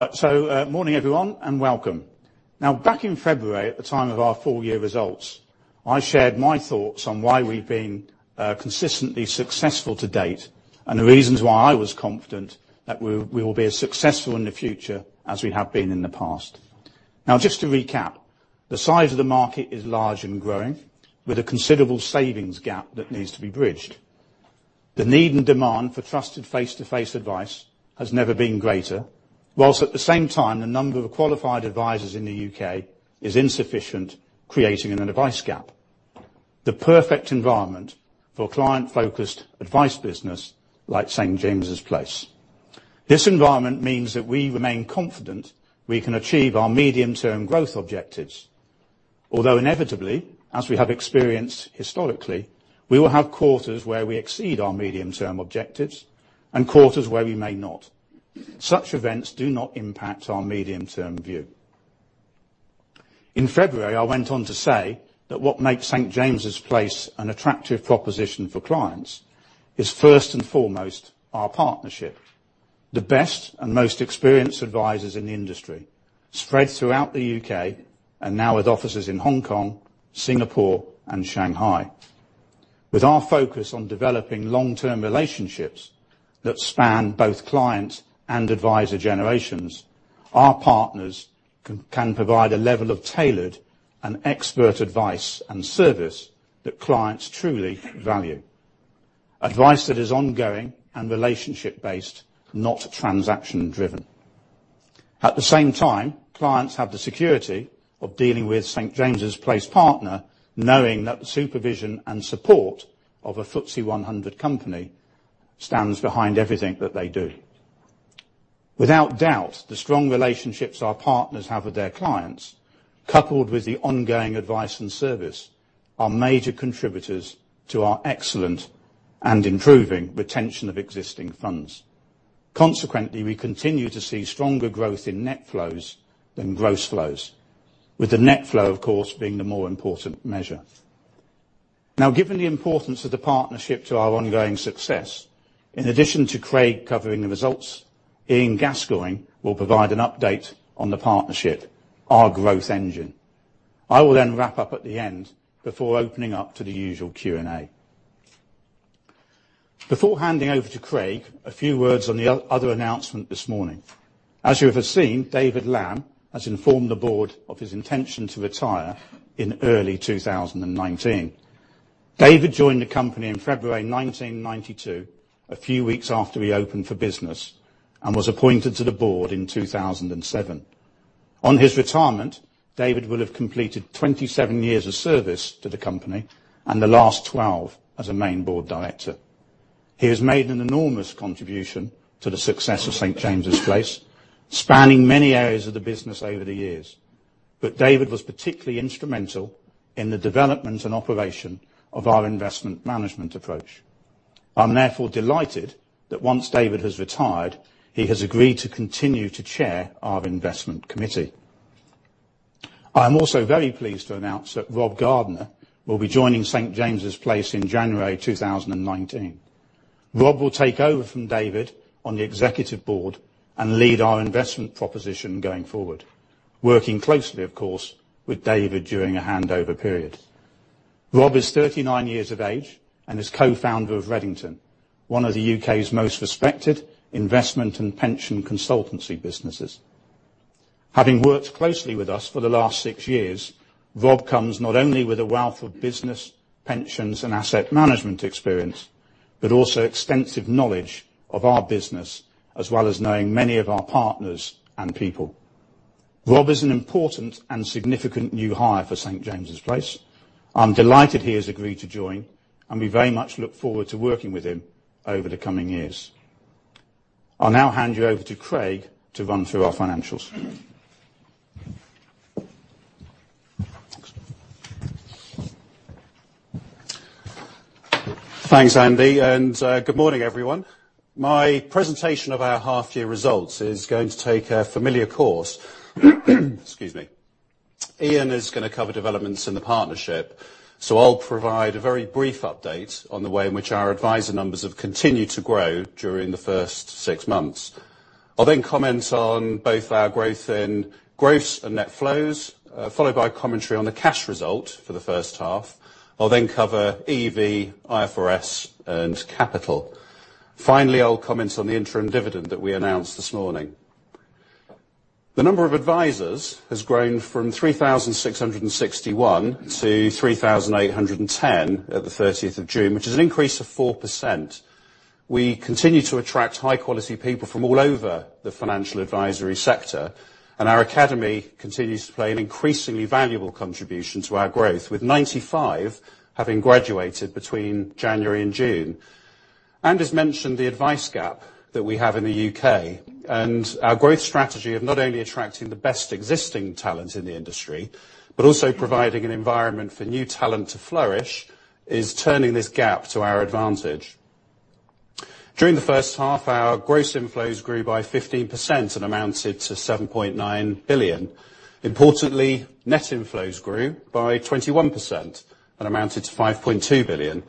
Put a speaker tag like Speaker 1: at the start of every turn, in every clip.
Speaker 1: Morning everyone, and welcome. Back in February at the time of our full year results, I shared my thoughts on why we've been consistently successful to date, and the reasons why I was confident that we will be as successful in the future as we have been in the past. Just to recap, the size of the market is large and growing, with a considerable savings gap that needs to be bridged. The need and demand for trusted face-to-face advice has never been greater, whilst at the same time, the number of qualified advisors in the U.K. is insufficient, creating an advice gap. The perfect environment for client-focused advice business like St. James's Place. This environment means that we remain confident we can achieve our medium-term growth objectives. Inevitably, as we have experienced historically, we will have quarters where we exceed our medium-term objectives and quarters where we may not. Such events do not impact our medium-term view. In February, I went on to say that what makes St. James's Place an attractive proposition for clients is first and foremost our partnership. The best and most experienced advisors in the industry spread throughout the U.K., and now with offices in Hong Kong, Singapore, and Shanghai. With our focus on developing long-term relationships that span both clients and advisor generations, our partners can provide a level of tailored and expert advice and service that clients truly value. Advice that is ongoing and relationship-based, not transaction-driven. At the same time, clients have the security of dealing with St. James's Place partner, knowing that the supervision and support of a FTSE 100 company stands behind everything that they do. Without doubt, the strong relationships our partners have with their clients, coupled with the ongoing advice and service, are major contributors to our excellent and improving retention of existing funds. Consequently, we continue to see stronger growth in net flows than gross flows, with the net flow, of course, being the more important measure. Given the importance of the partnership to our ongoing success, in addition to Craig covering the results, Ian Gascoigne will provide an update on the partnership, our growth engine. I will then wrap up at the end before opening up to the usual Q&A. Before handing over to Craig, a few words on the other announcement this morning. As you have seen, David Lamb has informed the board of his intention to retire in early 2019. David joined the company in February 1992, a few weeks after we opened for business, and was appointed to the board in 2007. On his retirement, David will have completed 27 years of service to the company and the last 12 as a main board director. He has made an enormous contribution to the success of St. James's Place, spanning many areas of the business over the years. David was particularly instrumental in the development and operation of our investment management approach. I'm therefore delighted that once David has retired, he has agreed to continue to chair our investment committee. I am also very pleased to announce that Rob Gardner will be joining St. James's Place in January 2019. Rob will take over from David on the executive board and lead our investment proposition going forward, working closely, of course, with David during a handover period. Rob is 39 years of age and is co-founder of Redington, one of the U.K.'s most respected investment and pension consultancy businesses. Having worked closely with us for the last six years, Rob comes not only with a wealth of business, pensions, and asset management experience, but also extensive knowledge of our business as well as knowing many of our partners and people. Rob is an important and significant new hire for St. James's Place. I'm delighted he has agreed to join, and we very much look forward to working with him over the coming years. I'll now hand you over to Craig to run through our financials.
Speaker 2: Thanks. Thanks, Andy. Good morning, everyone. My presentation of our half year results is going to take a familiar course. Excuse me. Ian is going to cover developments in the partnership, so I'll provide a very brief update on the way in which our advisor numbers have continued to grow during the first six months. I'll then comment on both our growth in gross and net flows, followed by commentary on the cash result for the first half. I'll then cover EEV, IFRS, and capital. Finally, I'll comment on the interim dividend that we announced this morning. The number of advisors has grown from 3,661 to 3,810 at the 30th of June, which is an increase of 4%. We continue to attract high-quality people from all over the financial advisory sector. Our academy continues to play an increasingly valuable contribution to our growth, with 95 having graduated between January and June. Andy's mentioned the advice gap that we have in the U.K. Our growth strategy of not only attracting the best existing talent in the industry, but also providing an environment for new talent to flourish, is turning this gap to our advantage. During the first half, our gross inflows grew by 15% and amounted to 7.9 billion. Importantly, net inflows grew by 21% and amounted to 5.2 billion.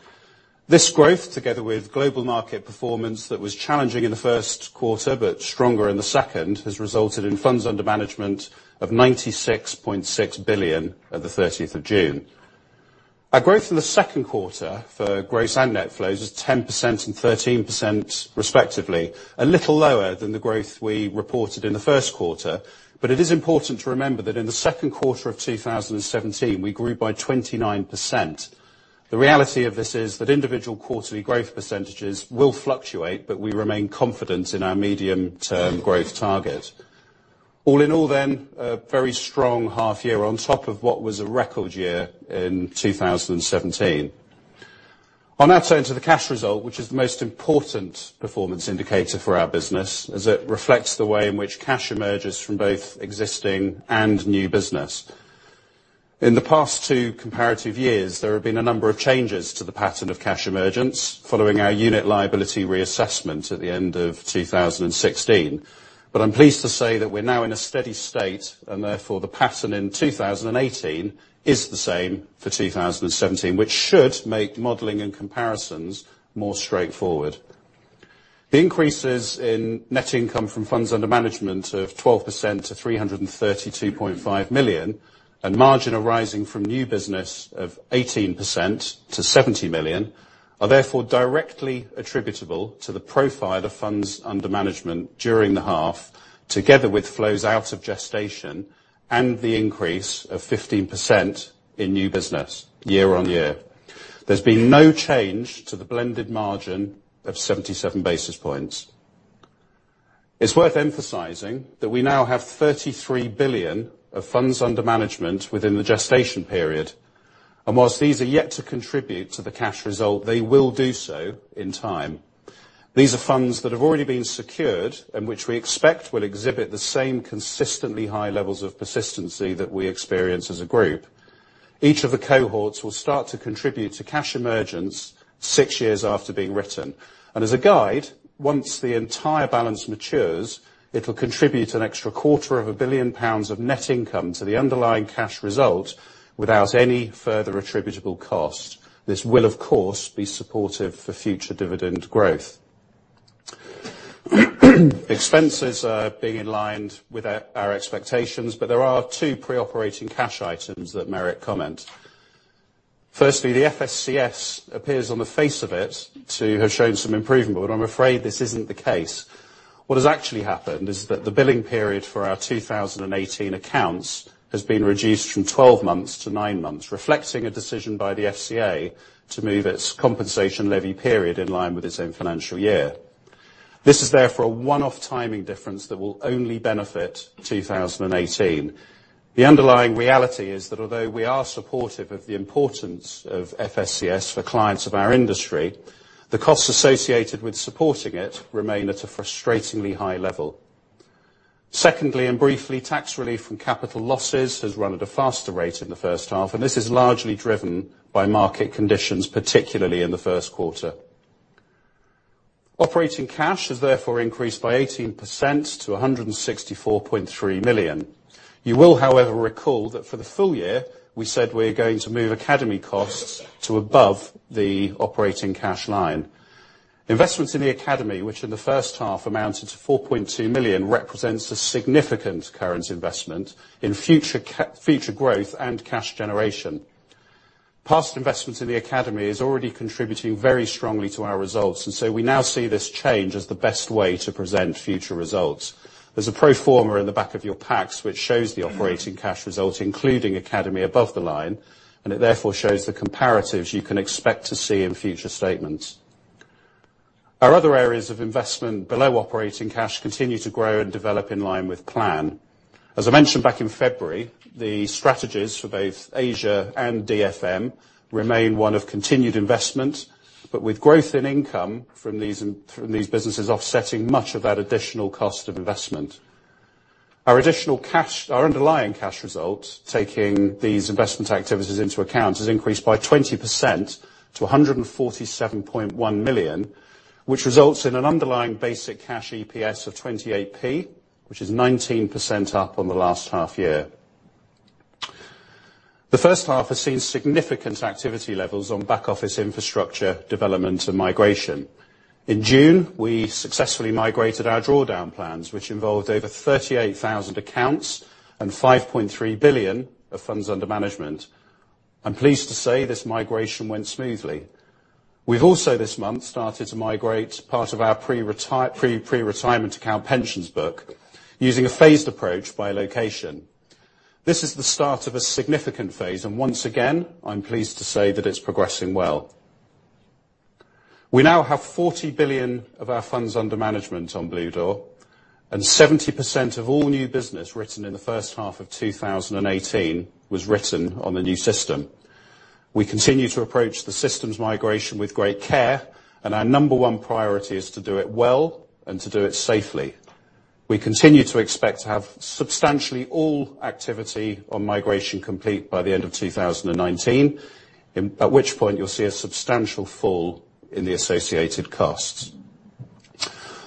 Speaker 2: This growth, together with global market performance that was challenging in the first quarter but stronger in the second, has resulted in funds under management of 96.6 billion at the 30th of June. Our growth in the second quarter for gross and net flows was 10% and 13% respectively, a little lower than the growth we reported in the first quarter. It is important to remember that in the second quarter of 2017, we grew by 29%. The reality of this is that individual quarterly growth percentages will fluctuate, but we remain confident in our medium-term growth target. All in all, a very strong half year on top of what was a record year in 2017. Turn to the cash result, which is the most important performance indicator for our business, as it reflects the way in which cash emerges from both existing and new business. In the past two comparative years, there have been a number of changes to the pattern of cash emergence following our unit liability reassessment at the end of 2016. I'm pleased to say that we're now in a steady state, therefore, the pattern in 2018 is the same for 2017, which should make modeling and comparisons more straightforward. The increases in net income from funds under management of 12% to 332.5 million, and margin arising from new business of 18% to 70 million, are therefore directly attributable to the profile of funds under management during the half, together with flows out of gestation and the increase of 15% in new business year-on-year. There's been no change to the blended margin of 77 basis points. It's worth emphasizing that we now have 33 billion of funds under management within the gestation period. Whilst these are yet to contribute to the cash result, they will do so in time. These are funds that have already been secured and which we expect will exhibit the same consistently high levels of persistency that we experience as a group. Each of the cohorts will start to contribute to cash emergence six years after being written. As a guide, once the entire balance matures, it will contribute an extra quarter of a billion pounds of net income to the underlying cash result without any further attributable cost. This will, of course, be supportive for future dividend growth. Expenses are being in line with our expectations, there are two pre-operating cash items that merit comment. Firstly, the FSCS appears on the face of it to have shown some improvement, I'm afraid this isn't the case. What has actually happened is that the billing period for our 2018 accounts has been reduced from 12 months to nine months, reflecting a decision by the FCA to move its compensation levy period in line with its own financial year. This is therefore a one-off timing difference that will only benefit 2018. The underlying reality is that although we are supportive of the importance of FSCS for clients of our industry, the costs associated with supporting it remain at a frustratingly high level. Secondly, briefly, tax relief from capital losses has run at a faster rate in the first half, this is largely driven by market conditions, particularly in the first quarter. Operating cash has therefore increased by 18% to 164.3 million. You will, however, recall that for the full year, we said we're going to move Academy costs to above the operating cash line. Investments in the Academy, which in the first half amounted to 4.2 million, represents a significant current investment in future growth and cash generation. Past investments in the Academy is already contributing very strongly to our results, so we now see this change as the best way to present future results. There's a pro forma in the back of your packs which shows the operating cash results, including Academy above the line, it therefore shows the comparatives you can expect to see in future statements. Our other areas of investment below operating cash continue to grow and develop in line with plan. As I mentioned back in February, the strategies for both Asia and DFM remain one of continued investment, with growth in income from these businesses offsetting much of that additional cost of investment. Our underlying cash result, taking these investment activities into account, has increased by 20% to 147.1 million, which results in an underlying basic cash EPS of 0.28, which is 19% up on the last half year. The first half has seen significant activity levels on back-office infrastructure development and migration. In June, we successfully migrated our drawdown plans, which involved over 38,000 accounts and 5.3 billion of funds under management. I'm pleased to say this migration went smoothly. We've also this month started to migrate part of our pre-retirement account pensions book using a phased approach by location. This is the start of a significant phase, and once again, I'm pleased to say that it's progressing well. We now have 40 billion of our funds under management on Bluedoor, and 70% of all new business written in the first half of 2018 was written on the new system. We continue to approach the system's migration with great care, and our number 1 priority is to do it well and to do it safely. We continue to expect to have substantially all activity on migration complete by the end of 2019. At which point, you'll see a substantial fall in the associated costs.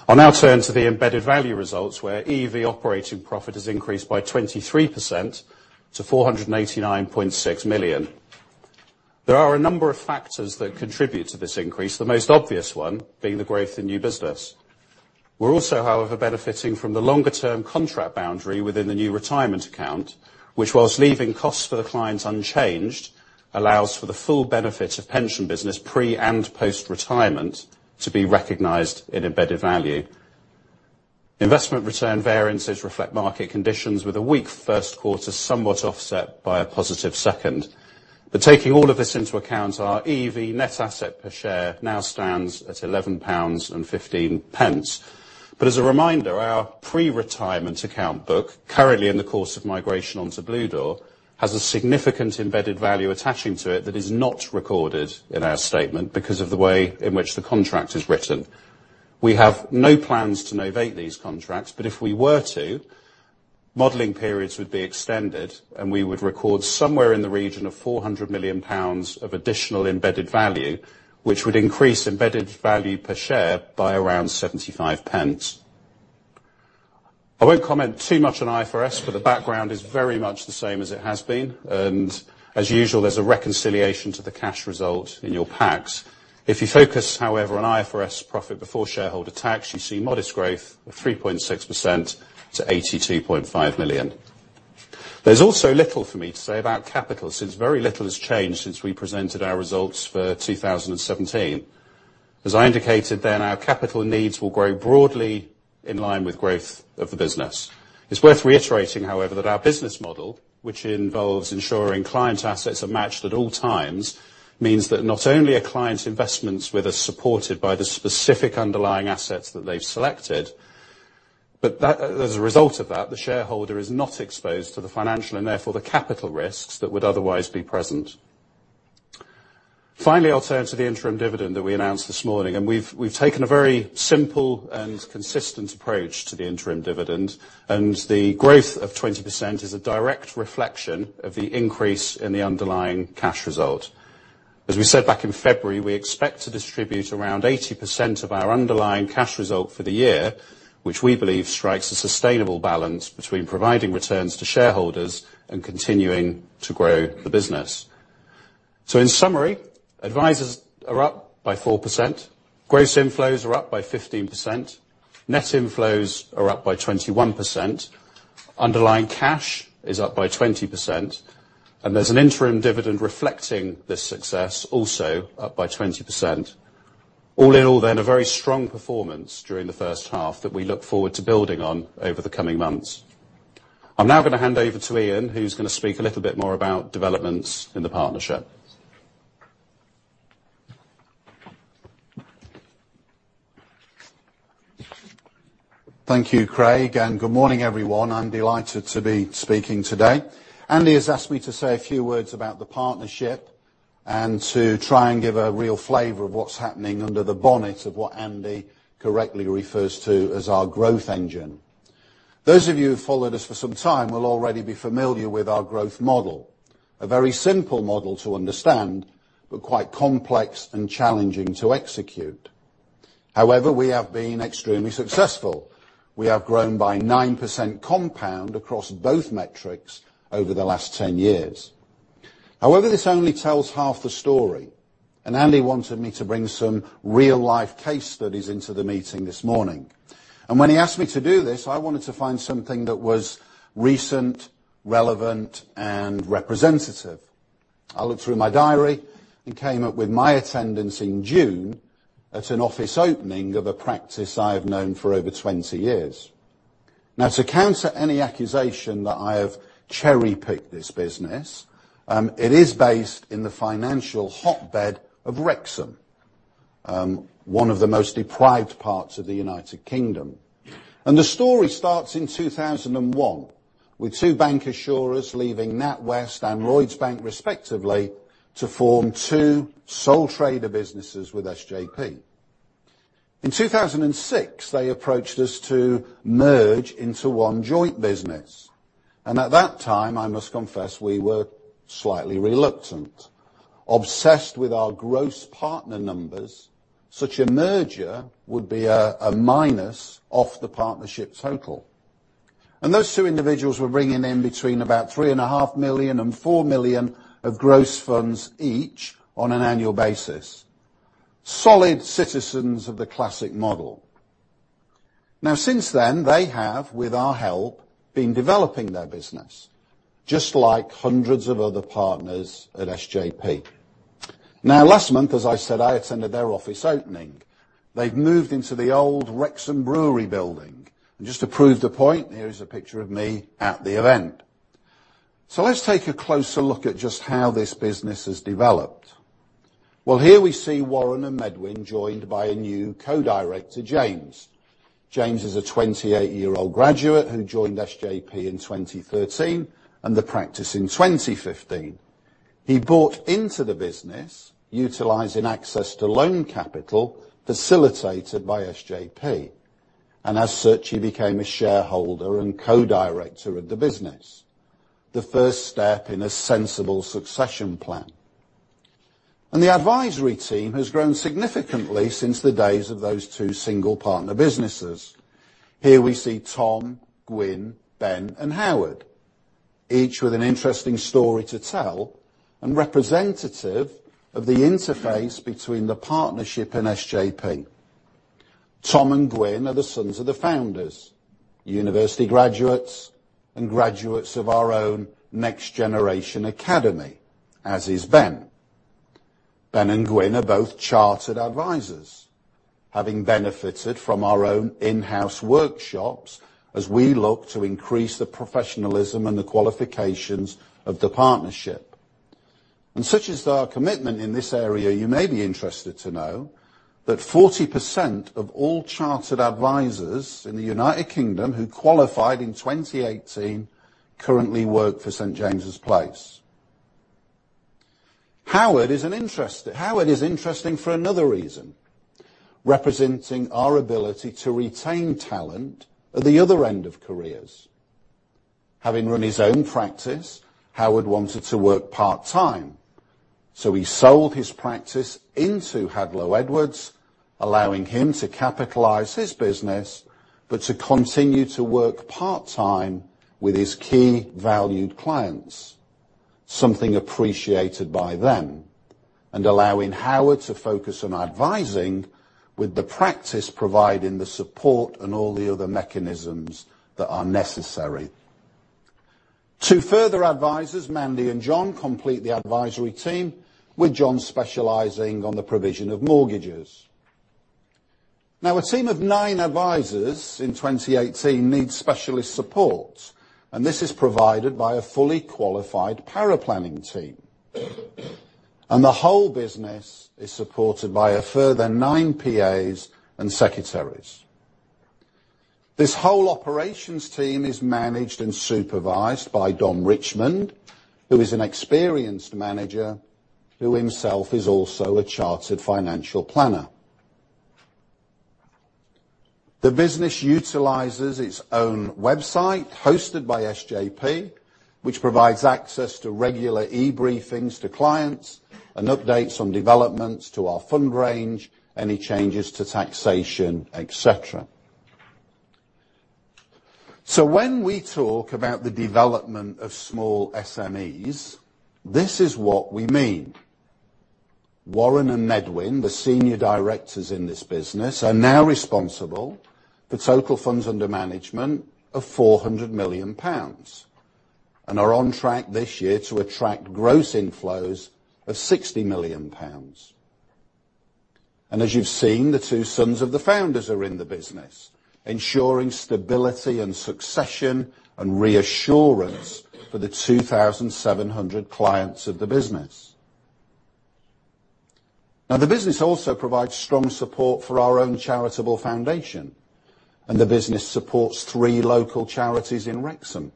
Speaker 2: I'll now turn to the embedded value results, where EEV operating profit has increased by 23% to 489.6 million. There are a number of factors that contribute to this increase, the most obvious one being the growth in new business. We're also, however, benefiting from the longer-term contract boundary within the new retirement account, which, whilst leaving costs for the clients unchanged, allows for the full benefit of pension business pre- and post-retirement to be recognized in embedded value. Investment return variances reflect market conditions, with a weak first quarter somewhat offset by a positive second. Taking all of this into account, our EEV net asset per share now stands at 11.15 pounds. As a reminder, our pre-retirement account book, currently in the course of migration onto Bluedoor, has a significant embedded value attaching to it that is not recorded in our statement because of the way in which the contract is written. We have no plans to novate these contracts, if we were to, modeling periods would be extended, and we would record somewhere in the region of 400 million pounds of additional embedded value, which would increase embedded value per share by around 0.75. I won't comment too much on IFRS, the background is very much the same as it has been, and as usual, there's a reconciliation to the cash result in your packs. If you focus, however, on IFRS profit before shareholder tax, you see modest growth of 3.6% to 82.5 million. There's also little for me to say about capital, since very little has changed since we presented our results for 2017. As I indicated then, our capital needs will grow broadly in line with growth of the business. It's worth reiterating, however, that our business model, which involves ensuring client assets are matched at all times, means that not only are clients' investments with us supported by the specific underlying assets that they've selected, but that as a result of that, the shareholder is not exposed to the financial and therefore the capital risks that would otherwise be present. Finally, I'll turn to the interim dividend that we announced this morning. We've taken a very simple and consistent approach to the interim dividend. The growth of 20% is a direct reflection of the increase in the underlying cash result. As we said back in February, we expect to distribute around 80% of our underlying cash result for the year, which we believe strikes a sustainable balance between providing returns to shareholders and continuing to grow the business. In summary, advisers are up by 4%, gross inflows are up by 15%, net inflows are up by 21%, underlying cash is up by 20%, and there's an interim dividend reflecting this success, also up by 20%. A very strong performance during the first half that we look forward to building on over the coming months. I'm now going to hand over to Ian, who's going to speak a little bit more about developments in the partnership.
Speaker 3: Thank you, Craig. Good morning, everyone. I'm delighted to be speaking today. Andy has asked me to say a few words about the partnership and to try and give a real flavor of what's happening under the bonnet of what Andy correctly refers to as our growth engine. Those of you who've followed us for some time will already be familiar with our growth model. A very simple model to understand, quite complex and challenging to execute. However, we have been extremely successful. We have grown by 9% compound across both metrics over the last 10 years. However, this only tells half the story. Andy wanted me to bring some real-life case studies into the meeting this morning. When he asked me to do this, I wanted to find something that was recent, relevant, and representative. I looked through my diary and came up with my attendance in June at an office opening of a practice I've known for over 20 years. Now, to counter any accusation that I have cherry-picked this business, it is based in the financial hotbed of Wrexham, one of the most deprived parts of the U.K. The story starts in 2001 with two bancassurers leaving NatWest and Lloyds Bank respectively to form two sole trader businesses with SJP. In 2006, they approached us to merge into one joint business. At that time, I must confess, we were slightly reluctant. Obsessed with our gross partner numbers, such a merger would be a minus off the partnership total. Those two individuals were bringing in between about three and a half million and 4 million of gross funds each on an annual basis. Solid citizens of the classic model. Since then, they have, with our help, been developing their business, just like hundreds of other partners at SJP. Last month, as I said, I attended their office opening. They've moved into the old Wrexham Brewery building. Just to prove the point, here is a picture of me at the event. Let's take a closer look at just how this business has developed. Here we see Warren and Medwin joined by a new co-director, James. James is a 28-year-old graduate who joined SJP in 2013 and the practice in 2015. He bought into the business utilizing access to loan capital facilitated by SJP, and as such, he became a shareholder and co-director of the business. The first step in a sensible succession plan. The advisory team has grown significantly since the days of those two single partner businesses. Here we see Tom, Gwyn, Ben, and Howard, each with an interesting story to tell and representative of the interface between the partnership and SJP. Tom and Gwyn are the sons of the founders, university graduates, and graduates of our own Next Generation Academy, as is Ben. Ben and Gwyn are both chartered advisors, having benefited from our own in-house workshops as we look to increase the professionalism and the qualifications of the partnership. Such is our commitment in this area, you may be interested to know that 40% of all chartered advisors in the U.K. who qualified in 2018 currently work for St. James's Place. Howard is interesting for another reason, representing our ability to retain talent at the other end of careers. Having run his own practice, Howard wanted to work part-time. He sold his practice into Hadlow Edwards, allowing him to capitalize his business, to continue to work part-time with his key valued clients, something appreciated by them, and allowing Howard to focus on advising, with the practice providing the support and all the other mechanisms that are necessary. Two further advisors, Mandy and John, complete the advisory team, with John specializing on the provision of mortgages. A team of nine advisors in 2018 needs specialist support. This is provided by a fully qualified paraplanning team. The whole business is supported by a further nine PAs and secretaries. This whole operations team is managed and supervised by Dom Richmond, who is an experienced manager, who himself is also a chartered financial planner. The business utilizes its own website hosted by SJP, which provides access to regular e-briefings to clients and updates on developments to our fund range, any changes to taxation, et cetera. When we talk about the development of small SMEs, this is what we mean. Warren and Medwin, the senior directors in this business, are now responsible for total funds under management of 400 million pounds, and are on track this year to attract gross inflows of 60 million pounds. As you've seen, the two sons of the founders are in the business, ensuring stability and succession and reassurance for the 2,700 clients of the business. The business also provides strong support for our own charitable foundation. The business supports three local charities in Wrexham.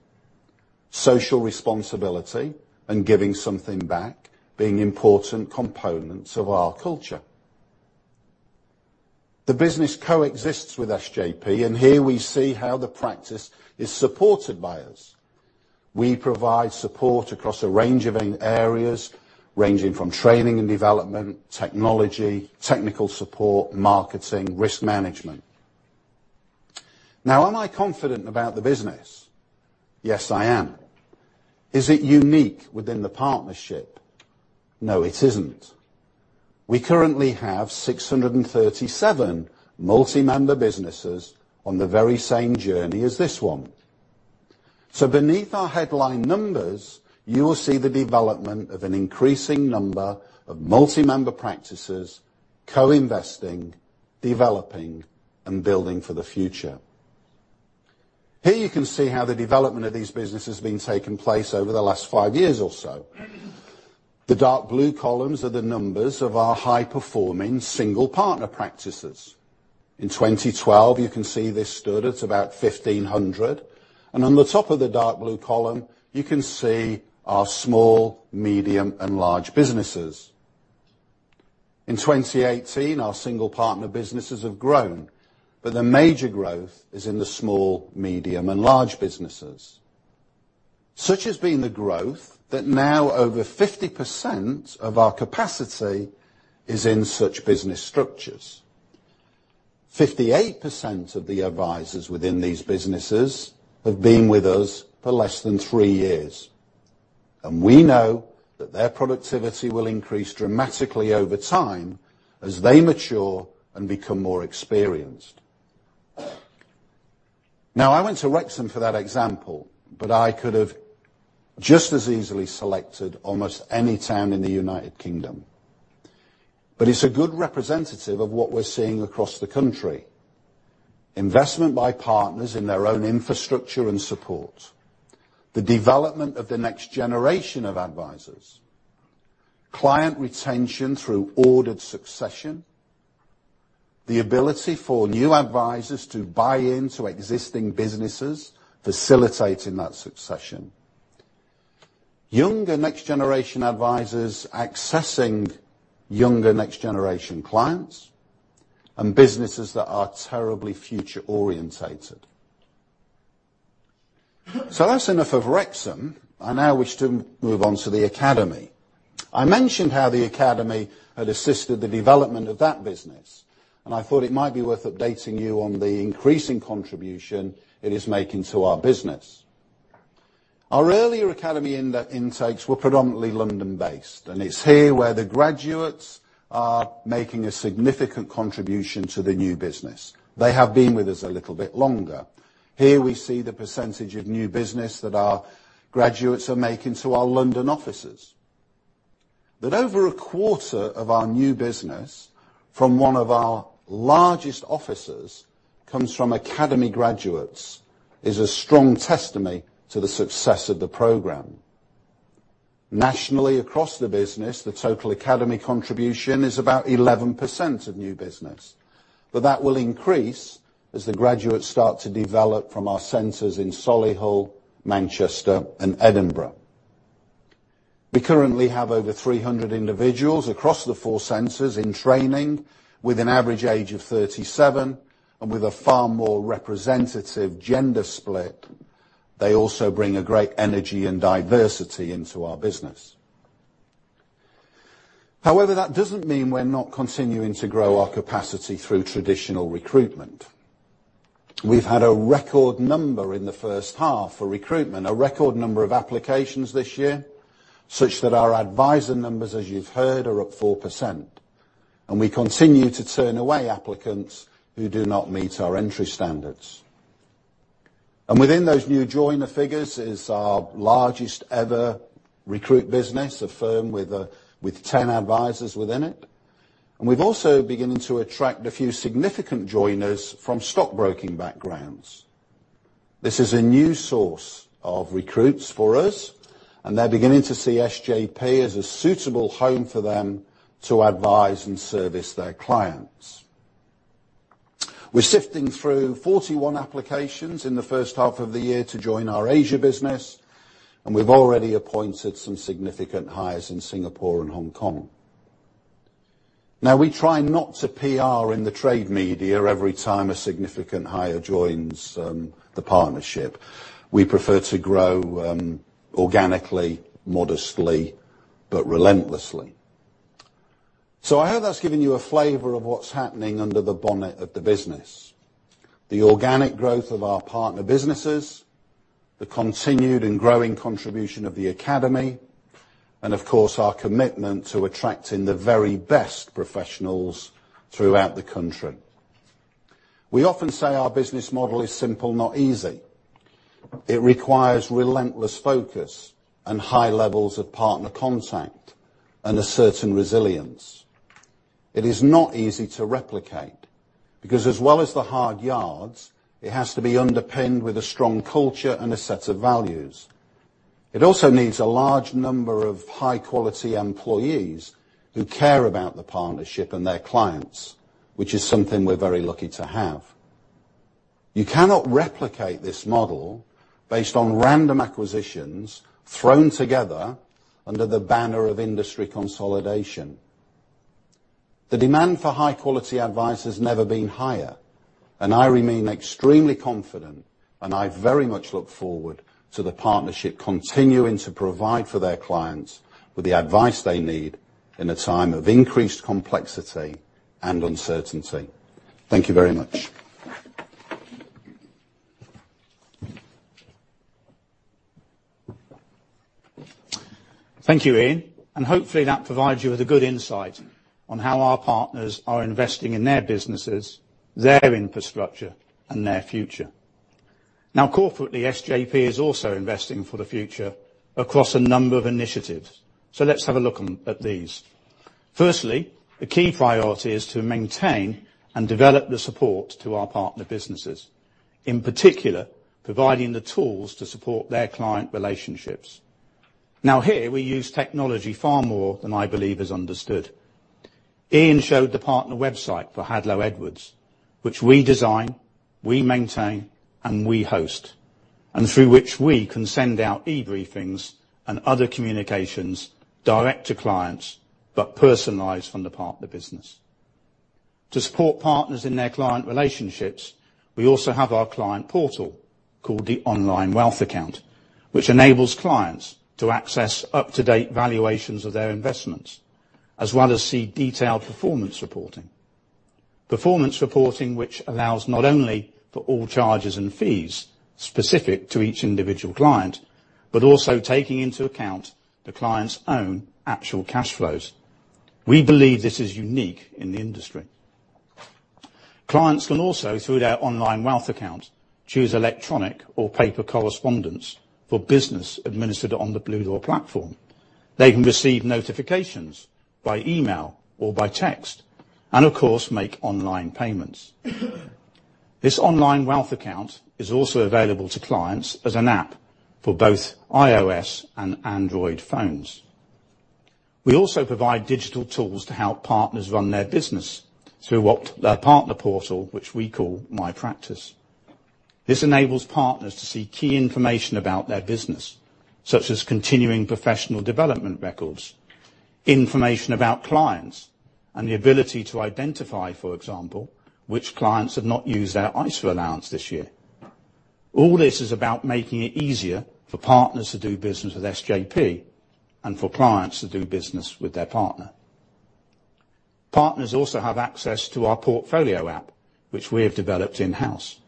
Speaker 3: Social responsibility and giving something back being important components of our culture. The business coexists with SJP, and here we see how the practice is supported by us. We provide support across a range of areas, ranging from training and development, technology, technical support, marketing, risk management. Am I confident about the business? Yes, I am. Is it unique within the partnership? No, it isn't. We currently have 637 multi-member businesses on the very same journey as this one. Beneath our headline numbers, you will see the development of an increasing number of multi-member practices, co-investing, developing, and building for the future. Here you can see how the development of these businesses has been taking place over the last five years or so. The dark blue columns are the numbers of our high-performing single partner practices. In 2012, you can see this stood at about 1,500. On the top of the dark blue column, you can see our small, medium, and large businesses. In 2018, our single partner businesses have grown, the major growth is in the small, medium, and large businesses. Such has been the growth that now over 50% of our capacity is in such business structures. 58% of the advisors within these businesses have been with us for less than three years. We know that their productivity will increase dramatically over time as they mature and become more experienced. I went to Wrexham for that example, I could have just as easily selected almost any town in the U.K. It's a good representative of what we're seeing across the country. Investment by partners in their own infrastructure and support, the development of the next generation of advisors, client retention through ordered succession, the ability for new advisors to buy into existing businesses, facilitating that succession, younger, next-generation advisors accessing younger, next-generation clients, and businesses that are terribly future oriented. That's enough of Wrexham. I now wish to move on to the Academy. I mentioned how the Academy had assisted the development of that business, and I thought it might be worth updating you on the increasing contribution it is making to our business. Our earlier Academy intakes were predominantly London-based, and it's here where the graduates are making a significant contribution to the new business. They have been with us a little bit longer. Here we see the percentage of new business that our graduates are making to our London offices. That over a quarter of our new business from one of our largest offices comes from Academy graduates is a strong testimony to the success of the program. Nationally, across the business, the total Academy contribution is about 11% of new business. That will increase as the graduates start to develop from our centers in Solihull, Manchester and Edinburgh. We currently have over 300 individuals across the four centers in training, with an average age of 37 and with a far more representative gender split. They also bring a great energy and diversity into our business. That doesn't mean we're not continuing to grow our capacity through traditional recruitment. We've had a record number in the first half for recruitment, a record number of applications this year, such that our advisor numbers, as you've heard, are up 4%. We continue to turn away applicants who do not meet our entry standards. Within those new joiner figures is our largest ever recruit business, a firm with 10 advisors within it. We've also beginning to attract a few significant joiners from stockbroking backgrounds. This is a new source of recruits for us, and they're beginning to see SJP as a suitable home for them to advise and service their clients. We're sifting through 41 applications in the first half of the year to join our Asia business, and we've already appointed some significant hires in Singapore and Hong Kong. We try not to PR in the trade media every time a significant hire joins the partnership. We prefer to grow organically, modestly, but relentlessly. I hope that's given you a flavor of what's happening under the bonnet of the business. The organic growth of our partner businesses, the continued and growing contribution of the academy, and of course, our commitment to attracting the very best professionals throughout the country. We often say our business model is simple, not easy. It requires relentless focus and high levels of partner contact and a certain resilience. It is not easy to replicate, because as well as the hard yards, it has to be underpinned with a strong culture and a set of values. It also needs a large number of high-quality employees who care about the partnership and their clients, which is something we're very lucky to have. You cannot replicate this model based on random acquisitions thrown together under the banner of industry consolidation. The demand for high-quality advice has never been higher, I remain extremely confident and I very much look forward to the partnership continuing to provide for their clients with the advice they need in a time of increased complexity and uncertainty. Thank you very much.
Speaker 1: Thank you, Ian. Hopefully that provides you with a good insight on how our partners are investing in their businesses, their infrastructure and their future. Corporately, SJP is also investing for the future across a number of initiatives. Let's have a look at these. Firstly, the key priority is to maintain and develop the support to our partner businesses, in particular, providing the tools to support their client relationships. Here we use technology far more than I believe is understood. Ian showed the partner website for Hadlow Edwards, which we design, we maintain and we host. Through which we can send out e-briefings and other communications direct to clients, but personalized from the partner business. To support partners in their client relationships, we also have our client portal called the Online Wealth Account, which enables clients to access up-to-date valuations of their investments, as well as see detailed performance reporting. Performance reporting which allows not only for all charges and fees specific to each individual client, but also taking into account the client's own actual cash flows. We believe this is unique in the industry. Clients can also, through their Online Wealth Account, choose electronic or paper correspondence for business administered on the Bluedoor platform. They can receive notifications by email or by text, and of course, make online payments. This Online Wealth Account is also available to clients as an app for both iOS and Android phones. We also provide digital tools to help partners run their business through their partner portal, which we call My Practice. This enables partners to see key information about their business, such as continuing professional development records, information about clients and the ability to identify, for example, which clients have not used our ISA allowance this year. All this is about making it easier for partners to do business with SJP and for clients to do business with their partner. Partners also have access to our portfolio app, which we have developed in-house.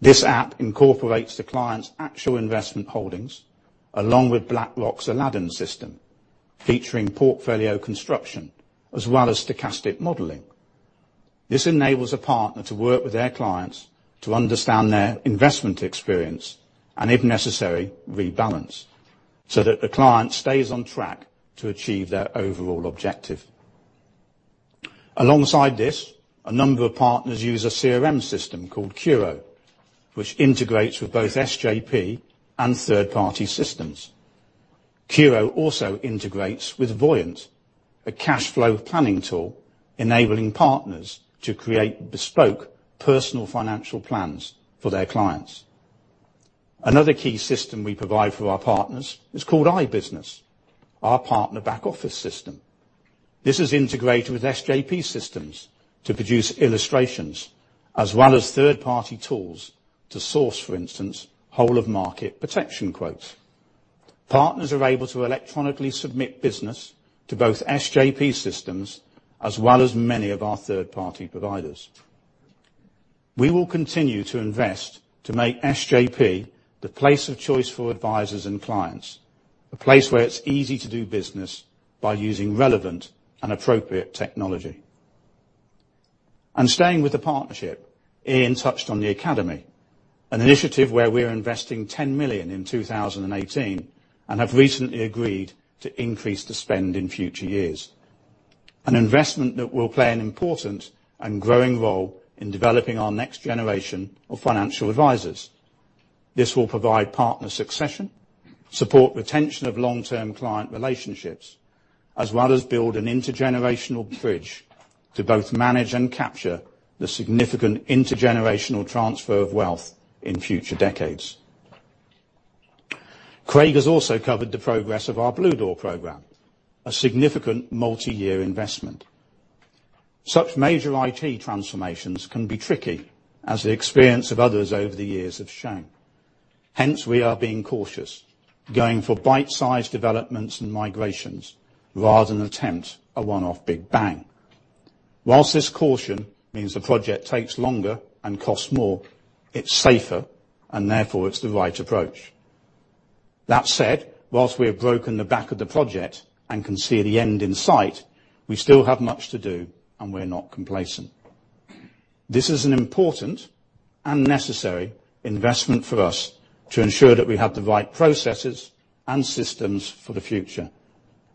Speaker 1: This app incorporates the client's actual investment holdings along with BlackRock's Aladdin system, featuring portfolio construction as well as stochastic modeling. This enables a partner to work with their clients to understand their investment experience, and if necessary, rebalance so that the client stays on track to achieve their overall objective. Alongside this, a number of partners use a CRM system called Curo, which integrates with both SJP and third-party systems. Curo also integrates with Voyant, a cash flow planning tool enabling partners to create bespoke personal financial plans for their clients. Another key system we provide for our partners is called iBusiness, our partner back office system. This is integrated with SJP systems to produce illustrations as well as third-party tools to source, for instance, whole of market protection quotes. Partners are able to electronically submit business to both SJP systems as well as many of our third-party providers. We will continue to invest to make SJP the place of choice for advisors and clients, a place where it is easy to do business by using relevant and appropriate technology. Staying with the partnership, Ian touched on the Academy, an initiative where we are investing 10 million in 2018 and have recently agreed to increase the spend in future years, an investment that will play an important and growing role in developing our next generation of financial advisors. This will provide partner succession, support retention of long-term client relationships, as well as build an intergenerational bridge to both manage and capture the significant intergenerational transfer of wealth in future decades. Craig has also covered the progress of our Bluedoor program, a significant multi-year investment. Such major IT transformations can be tricky, as the experience of others over the years have shown. Hence, we are being cautious, going for bite-sized developments and migrations rather than attempt a one-off big bang. Whilst this caution means the project takes longer and costs more, it is safer and therefore it is the right approach. While we have broken the back of the project and can see the end in sight, we still have much to do and we're not complacent. This is an important and necessary investment for us to ensure that we have the right processes and systems for the future.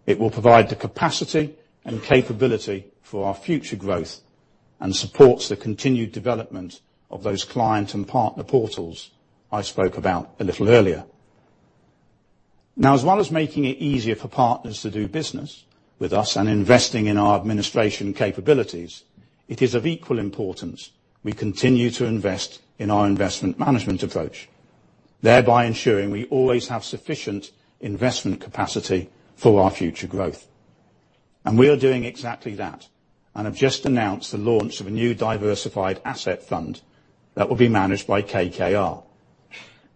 Speaker 1: It will provide the capacity and capability for our future growth and supports the continued development of those client and partner portals I spoke about a little earlier. As well as making it easier for partners to do business with us and investing in our administration capabilities, it is of equal importance we continue to invest in our investment management approach, thereby ensuring we always have sufficient investment capacity for our future growth. We are doing exactly that and have just announced the launch of a new diversified asset fund that will be managed by KKR.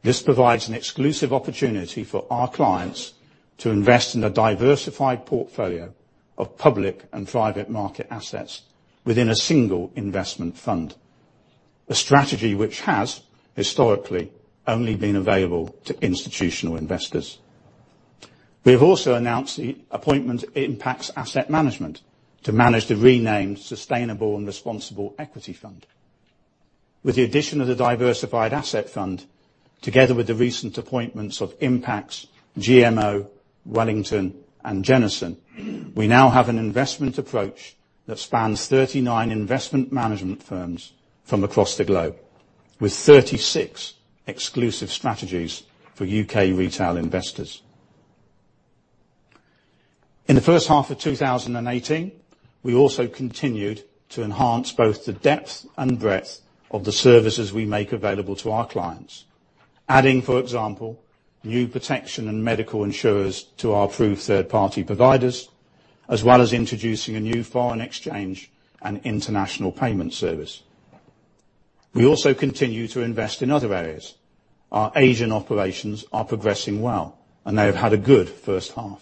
Speaker 1: This provides an exclusive opportunity for our clients to invest in a diversified portfolio of public and private market assets within a single investment fund, a strategy which has historically only been available to institutional investors. We have also announced the appointment of Impax Asset Management to manage the renamed Sustainable and Responsible Equity Fund. With the addition of the diversified asset fund, together with the recent appointments of Impax, GMO, Wellington, and Jennison, we now have an investment approach that spans 39 investment management firms from across the globe, with 36 exclusive strategies for U.K. retail investors. In the first half of 2018, we also continued to enhance both the depth and breadth of the services we make available to our clients, adding, for example, new protection and medical insurers to our approved third-party providers, as well as introducing a new foreign exchange and international payment service. We also continue to invest in other areas. Our Asian operations are progressing well, and they have had a good first half.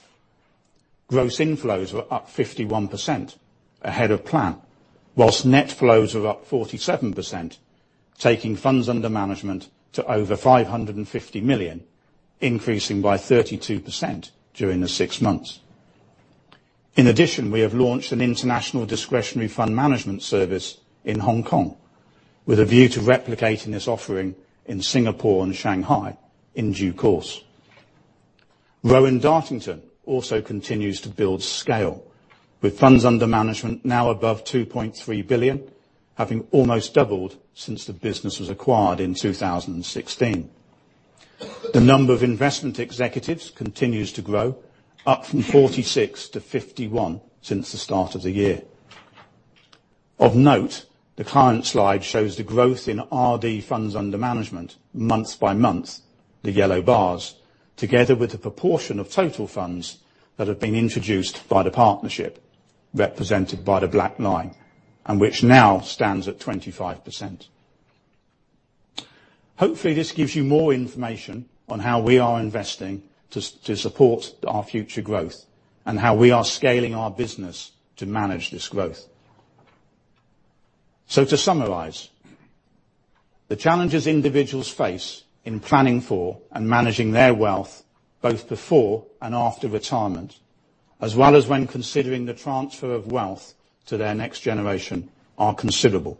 Speaker 1: Gross inflows were up 51%, ahead of plan, while net flows were up 47%, taking funds under management to over 550 million, increasing by 32% during the six months. In addition, we have launched an international discretionary fund management service in Hong Kong with a view to replicating this offering in Singapore and Shanghai in due course. Rowan Dartington also continues to build scale, with funds under management now above 2.3 billion, having almost doubled since the business was acquired in 2016. The number of investment executives continues to grow, up from 46 to 51 since the start of the year. Of note, the current slide shows the growth in RD funds under management month by month, the yellow bars, together with the proportion of total funds that have been introduced by the partnership, represented by the black line, and which now stands at 25%. Hopefully, this gives you more information on how we are investing to support our future growth and how we are scaling our business to manage this growth. To summarize, the challenges individuals face in planning for and managing their wealth both before and after retirement, as well as when considering the transfer of wealth to their next generation, are considerable.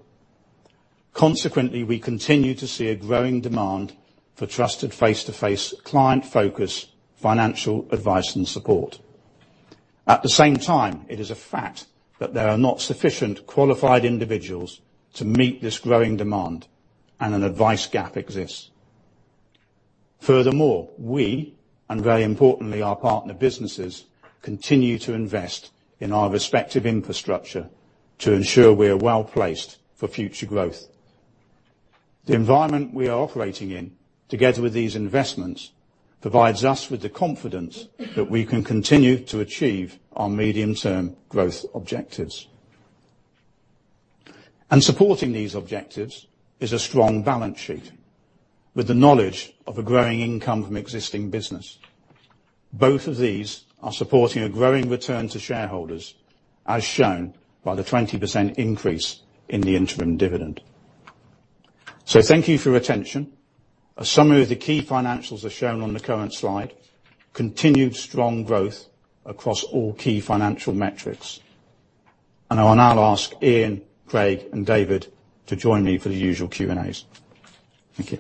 Speaker 1: Consequently, we continue to see a growing demand for trusted face-to-face client focus, financial advice, and support. At the same time, it is a fact that there are not sufficient qualified individuals to meet this growing demand, and an advice gap exists. Furthermore, we, and very importantly, our partner businesses, continue to invest in our respective infrastructure to ensure we are well-placed for future growth. The environment we are operating in, together with these investments, provides us with the confidence that we can continue to achieve our medium-term growth objectives. Supporting these objectives is a strong balance sheet with the knowledge of a growing income from existing business. Both of these are supporting a growing return to shareholders, as shown by the 20% increase in the interim dividend. Thank you for your attention. A summary of the key financials are shown on the current slide. Continued strong growth across all key financial metrics. I will now ask Ian, Craig, and David to join me for the usual Q&As. Thank you.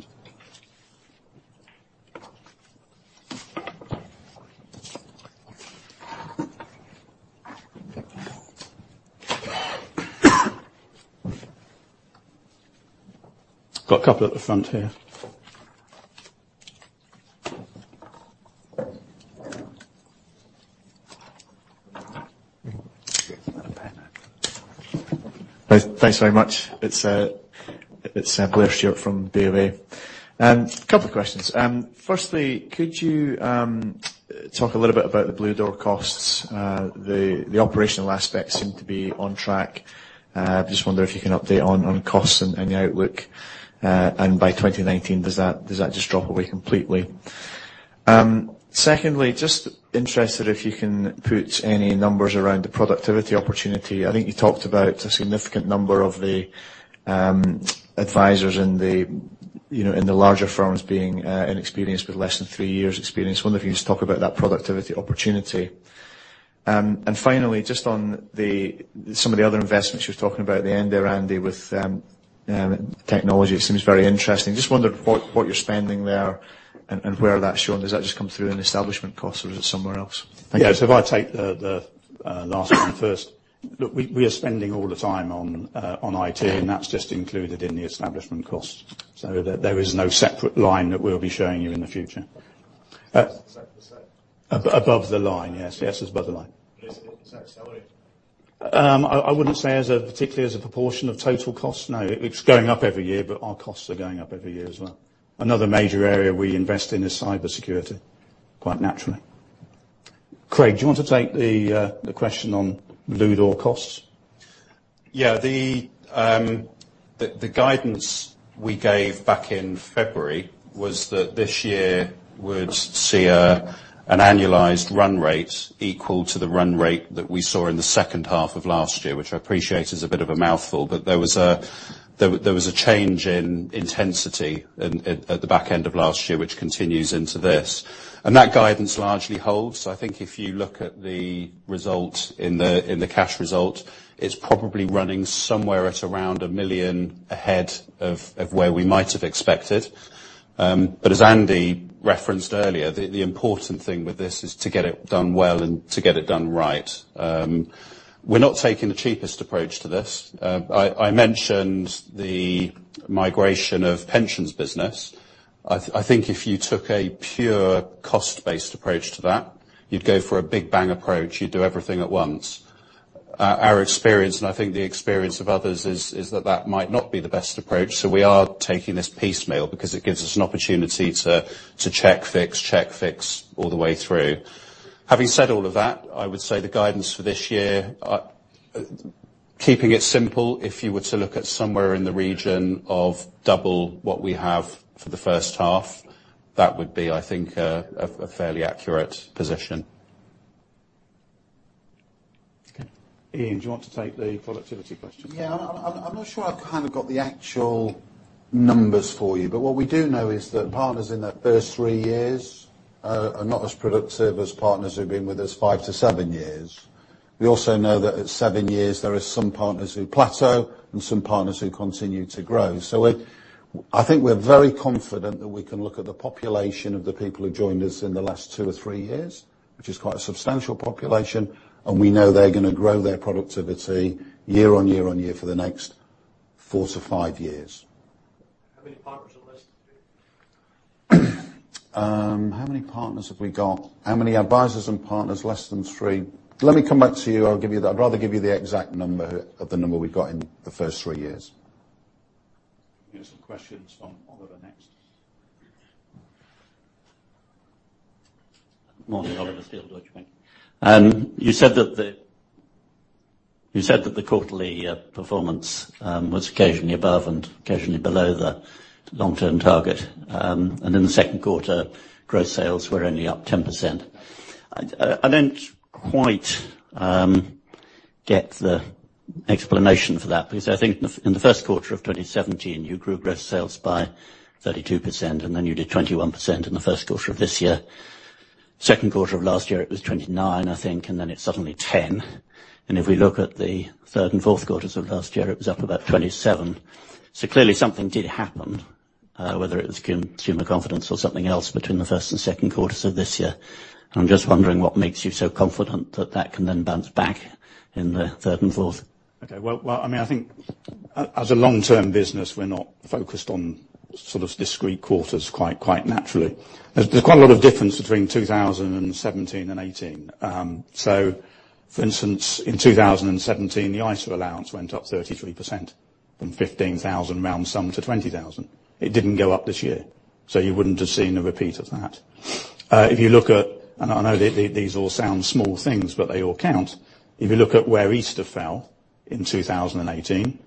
Speaker 1: Got a couple at the front here.
Speaker 3: Got a pen now.
Speaker 4: Thanks very much. It's Blair Stewart from BOA. Couple of questions. Firstly, could you talk a little bit about the Bluedoor costs? The operational aspects seem to be on track. I just wonder if you can update on costs and the outlook. By 2019, does that just drop away completely? Secondly, just interested if you can put any numbers around the productivity opportunity. I think you talked about a significant number of the advisors in the larger firms being inexperienced with less than three years experience. Wonder if you could just talk about that productivity opportunity. Finally, just on some of the other investments you were talking about at the end there, Andy, with technology, it seems very interesting. Just wondered what you're spending there and where that's shown. Does that just come through in establishment costs or is it somewhere else? Thank you.
Speaker 1: Yeah. If I take the last one first. Look, we are spending all the time on IT, and that's just included in the establishment costs. There is no separate line that we'll be showing you in the future.
Speaker 4: Above the line.
Speaker 1: Above the line, yes. Yes, it's above the line.
Speaker 4: Is it accelerating?
Speaker 1: I wouldn't say as particularly as a proportion of total cost, no. It's going up every year, but our costs are going up every year as well. Another major area we invest in is cybersecurity, quite naturally. Craig, do you want to take the question on Bluedoor costs?
Speaker 2: Yeah. The guidance we gave back in February was that this year would see an annualized run rate equal to the run rate that we saw in the second half of last year, which I appreciate is a bit of a mouthful, but there was a change in intensity at the back end of last year, which continues into this. That guidance largely holds. I think if you look at the result in the cash result, it's probably running somewhere at around 1 million ahead of where we might have expected. As Andy referenced earlier, the important thing with this is to get it done well and to get it done right. We're not taking the cheapest approach to this. I mentioned the migration of pensions business. I think if you took a pure cost-based approach to that, you'd go for a big bang approach. You'd do everything at once. Our experience, and I think the experience of others is that that might not be the best approach, so we are taking this piecemeal because it gives us an opportunity to check, fix, check, fix all the way through. Having said all of that, I would say the guidance for this year, keeping it simple, if you were to look at somewhere in the region of double what we have for the first half, that would be, I think, a fairly accurate position.
Speaker 1: That's good. Ian, do you want to take the productivity question?
Speaker 3: Yeah. I'm not sure I've got the actual numbers for you, but what we do know is that partners in their first three years are not as productive as partners who've been with us five to seven years. We also know that at seven years, there are some partners who plateau and some partners who continue to grow. I think we're very confident that we can look at the population of the people who joined us in the last two or three years, which is quite a substantial population, and we know they're going to grow their productivity year on year on year for the next four to five years.
Speaker 4: How many partners are less than three years?
Speaker 1: How many partners have we got? How many advisors and partners? Less than three. Let me come back to you, I'd rather give you the exact number of the number we've got in the first three years. We have some questions from Oliver next.
Speaker 5: Morning, Oliver Steele, Deutsche Bank. You said that the quarterly performance was occasionally above and occasionally below the long-term target. In the second quarter, gross sales were only up 10%. I didn't quite get the explanation for that, because I think in the first quarter of 2017, you grew gross sales by 32%, then you did 21% in the first quarter of this year. Second quarter of last year, it was 29, I think, then it's suddenly 10. If we look at the third and fourth quarters of last year, it was up about 27. Clearly something did happen, whether it was consumer confidence or something else between the first and second quarters of this year. I'm just wondering what makes you so confident that that can then bounce back in the third and fourth?
Speaker 1: Okay. Well, I think as a long-term business, we're not focused on sort of discrete quarters quite naturally. There's quite a lot of difference between 2017 and 2018. For instance, in 2017, the ISA allowance went up 33%, from 15,000 round some to 20,000. It didn't go up this year, so you wouldn't have seen a repeat of that. If you look at I know these all sound small things, but they all count. If you look at where Easter fell in 2018,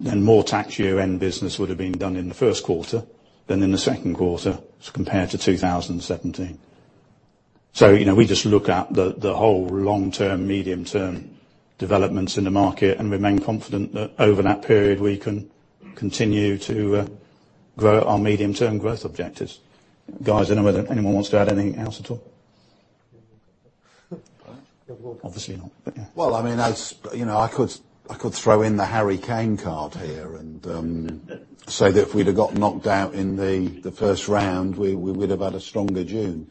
Speaker 1: more tax year-end business would've been done in the first quarter than in the second quarter, as compared to 2017. We just look at the whole long-term, medium-term developments in the market and remain confident that over that period, we can continue to grow our medium-term growth objectives. Guys, I don't know whether anyone wants to add anything else at all? Obviously not, yeah.
Speaker 3: Well, I could throw in the Harry Kane card here and say that if we'd have got knocked out in the first round, we would've had a stronger June.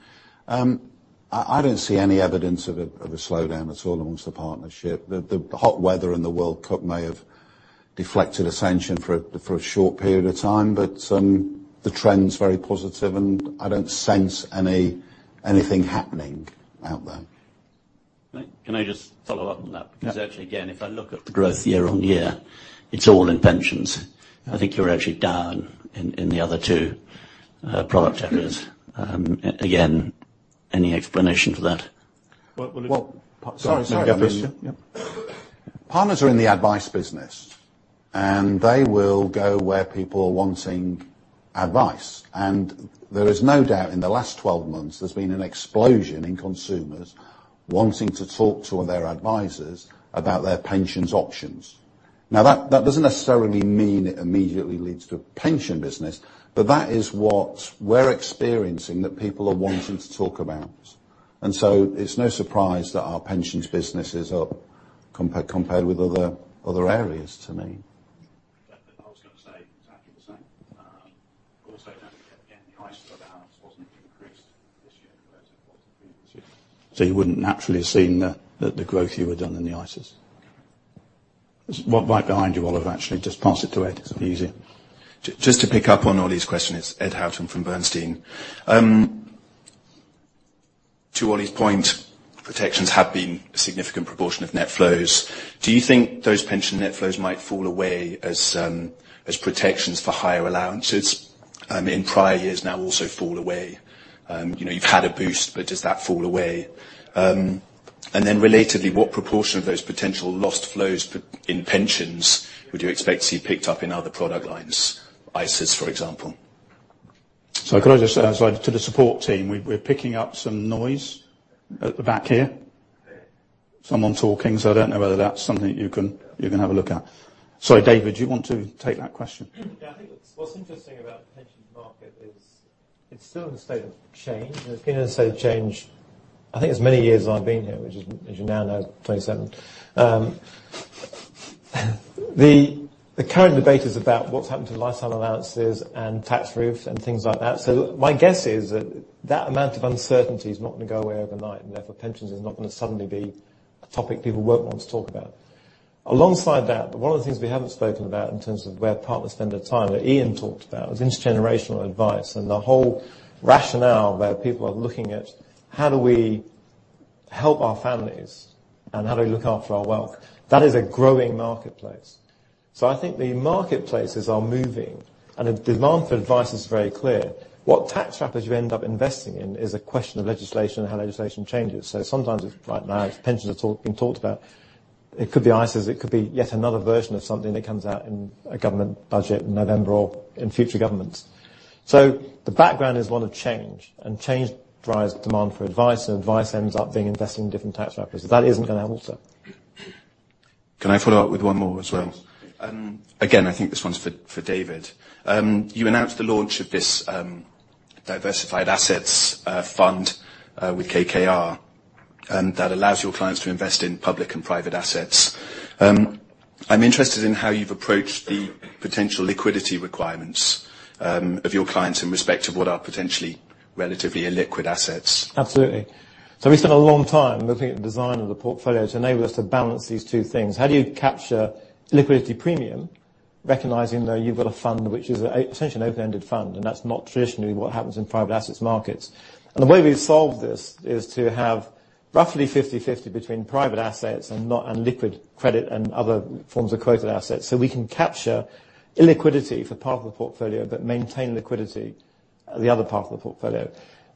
Speaker 3: I don't see any evidence of a slowdown at all amongst the partnership. The hot weather and the World Cup may have deflected attention for a short period of time, but the trend's very positive, and I don't sense anything happening out there.
Speaker 5: Right. Can I just follow up on that?
Speaker 1: Yeah.
Speaker 5: Because actually again, if I look at the growth year-over-year, it's all in pensions. I think you're actually down in the other two product areas. Again, any explanation for that?
Speaker 3: Well- Well-
Speaker 1: Sorry, go on, Ian.
Speaker 3: Partners are in the advice business. They will go where people are wanting advice. There is no doubt, in the last 12 months, there's been an explosion in consumers wanting to talk to their advisers about their pensions options. Now, that doesn't necessarily mean it immediately leads to a pension business. That is what we're experiencing that people are wanting to talk about. It's no surprise that our pensions business is up compared with other areas to me.
Speaker 5: I was going to say exactly the same. Also, again, the ISA allowance wasn't increased this year.
Speaker 1: You wouldn't naturally have seen the growth you would've done in the ISAs. Right behind you, Oliver, actually. Just pass it to Ed, so it's easier.
Speaker 6: Just to pick up on Ollie's question. It's Edward Houghton from Bernstein. To Ollie's point, pensions have been a significant proportion of net flows. Do you think those pension net flows might fall away as pensions for higher allowances in prior years now also fall away? You've had a boost, but does that fall away? Relatedly, what proportion of those potential lost flows in pensions would you expect to see picked up in other product lines, ISAs, for example?
Speaker 1: Could I just say to the support team, we're picking up some noise at the back here. Someone talking, so I don't know whether that's something you can have a look at. Sorry, David, do you want to take that question?
Speaker 7: Yeah. I think what's interesting about the pensions market is it's still in a state of change, and it's been in a state of change, I think as many years as I've been here, which is, as you now know, 27. The current debate is about what's happened to lifetime allowances and tax rules and things like that. My guess is that that amount of uncertainty is not going to go away overnight, and therefore pensions is not going to suddenly be a topic people won't want to talk about. Alongside that, one of the things we haven't spoken about in terms of where partners spend their time, that Ian talked about, is intergenerational advice and the whole rationale where people are looking at how do we help our families and how do we look after our wealth? That is a growing marketplace. I think the marketplaces are moving, and the demand for advice is very clear. What tax wrappers you end up investing in is a question of legislation and how legislation changes. Sometimes it's, like now, it's pensions are being talked about. It could be ISAs, it could be yet another version of something that comes out in a government budget in November or in future governments. The background is one of change, and change drives demand for advice, and advice ends up being invested in different tax wrappers. That isn't going to alter.
Speaker 6: Can I follow up with one more as well?
Speaker 1: Yes.
Speaker 6: Again, I think this one's for David. You announced the launch of this Diversified Assets Fund with KKR, that allows your clients to invest in public and private assets. I'm interested in how you've approached the potential liquidity requirements of your clients in respect of what are potentially relatively illiquid assets.
Speaker 7: Absolutely. We spent a long time looking at the design of the portfolio to enable us to balance these two things. How do you capture illiquidity premium? Recognizing, though, you've got a fund which is essentially an open-ended fund. That's not traditionally what happens in private assets markets. The way we've solved this is to have roughly 50/50 between private assets and liquid credit and other forms of quoted assets. We can capture illiquidity for part of the portfolio, but maintain liquidity the other part of the portfolio.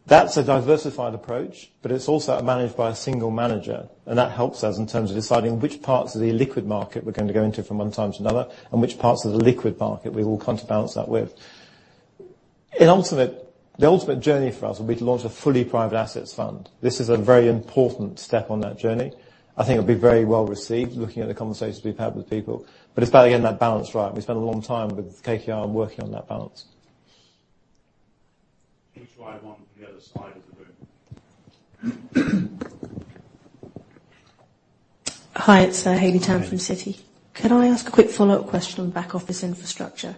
Speaker 7: That's a diversified approach, but it's also managed by a single manager. That helps us in terms of deciding which parts of the illiquid market we're going to go into from one time to another, and which parts of the liquid market we will counterbalance that with. The ultimate journey for us will be to launch a fully private assets fund. This is a very important step on that journey. I think it'll be very well-received, looking at the conversations we've had with people.
Speaker 1: It's about getting that balance right. We spent a long time with KKR working on that balance. Let's try one from the other side of the room.
Speaker 8: Hi, it's Haley Tam from Citi.
Speaker 1: Hi.
Speaker 8: Could I ask a quick follow-up question on the back office infrastructure?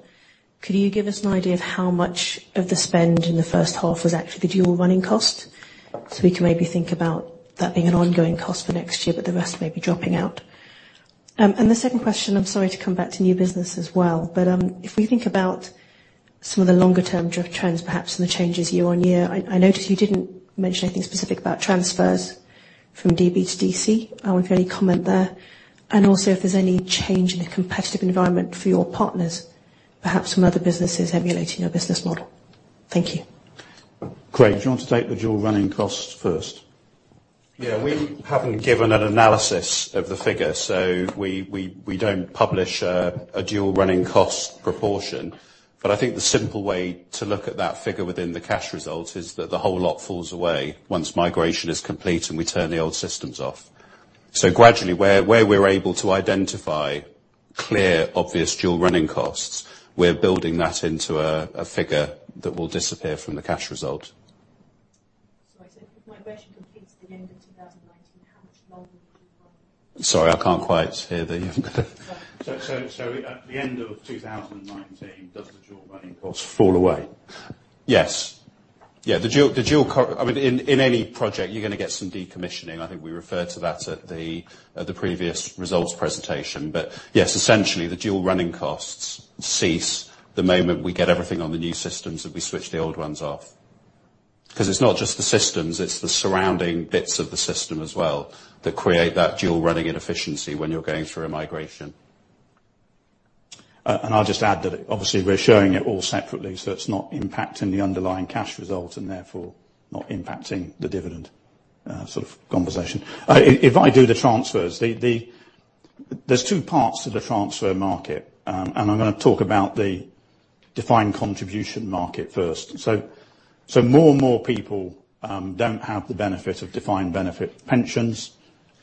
Speaker 8: Could you give us an idea of how much of the spend in the first half was actually the dual running cost? We can maybe think about that being an ongoing cost for next year, but the rest may be dropping out. The second question, I'm sorry to come back to new business as well, but if we think about some of the longer-term trends, perhaps, and the changes year-over-year, I noticed you didn't mention anything specific about transfers from DB to DC. I wonder if you could comment there. Also, if there's any change in the competitive environment for your partners, perhaps some other businesses emulating your business model. Thank you.
Speaker 1: Craig, do you want to take the dual running costs first?
Speaker 2: Yeah. We haven't given an analysis of the figure, so we don't publish a dual running cost proportion. I think the simple way to look at that figure within the cash results is that the whole lot falls away once migration is complete and we turn the old systems off. Gradually, where we're able to identify clear, obvious dual running costs, we're building that into a figure that will disappear from the cash result.
Speaker 8: Sorry, so if migration completes at the end of 2019, how much longer will you run?
Speaker 2: Sorry, I can't quite hear the
Speaker 1: At the end of 2019, does the dual running cost fall away?
Speaker 2: Yes. I mean, in any project you're going to get some decommissioning. I think we referred to that at the previous results presentation. Yes, essentially, the dual running costs cease the moment we get everything on the new systems and we switch the old ones off. It's not just the systems, it's the surrounding bits of the system as well that create that dual running inefficiency when you're going through a migration.
Speaker 1: I'll just add that obviously we're showing it all separately so it's not impacting the underlying cash result and therefore not impacting the dividend sort of conversation. If I do the transfers, there's two parts to the transfer market. I'm going to talk about the defined contribution market first. More and more people don't have the benefit of defined benefit pensions.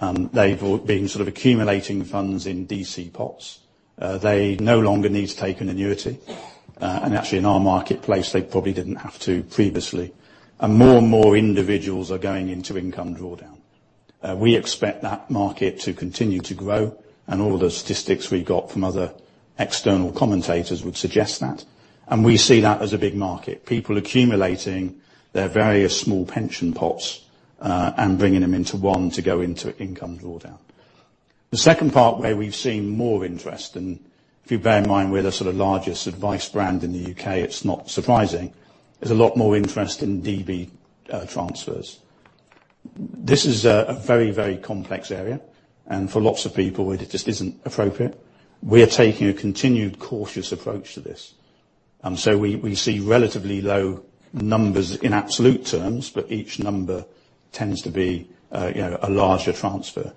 Speaker 1: They've all been sort of accumulating funds in DC pots. They no longer need to take an annuity. Actually, in our marketplace, they probably didn't have to previously. More and more individuals are going into income drawdown. We expect that market to continue to grow. All the statistics we got from other external commentators would suggest that. We see that as a big market. People accumulating their various small pension pots, and bringing them into one to go into income drawdown. The second part where we've seen more interest, if you bear in mind we're the sort of largest advice brand in the U.K., it's not surprising. There's a lot more interest in DB transfers. This is a very complex area. For lots of people, it just isn't appropriate. We are taking a continued cautious approach to this. We see relatively low numbers in absolute terms, but each number tends to be a larger transfer.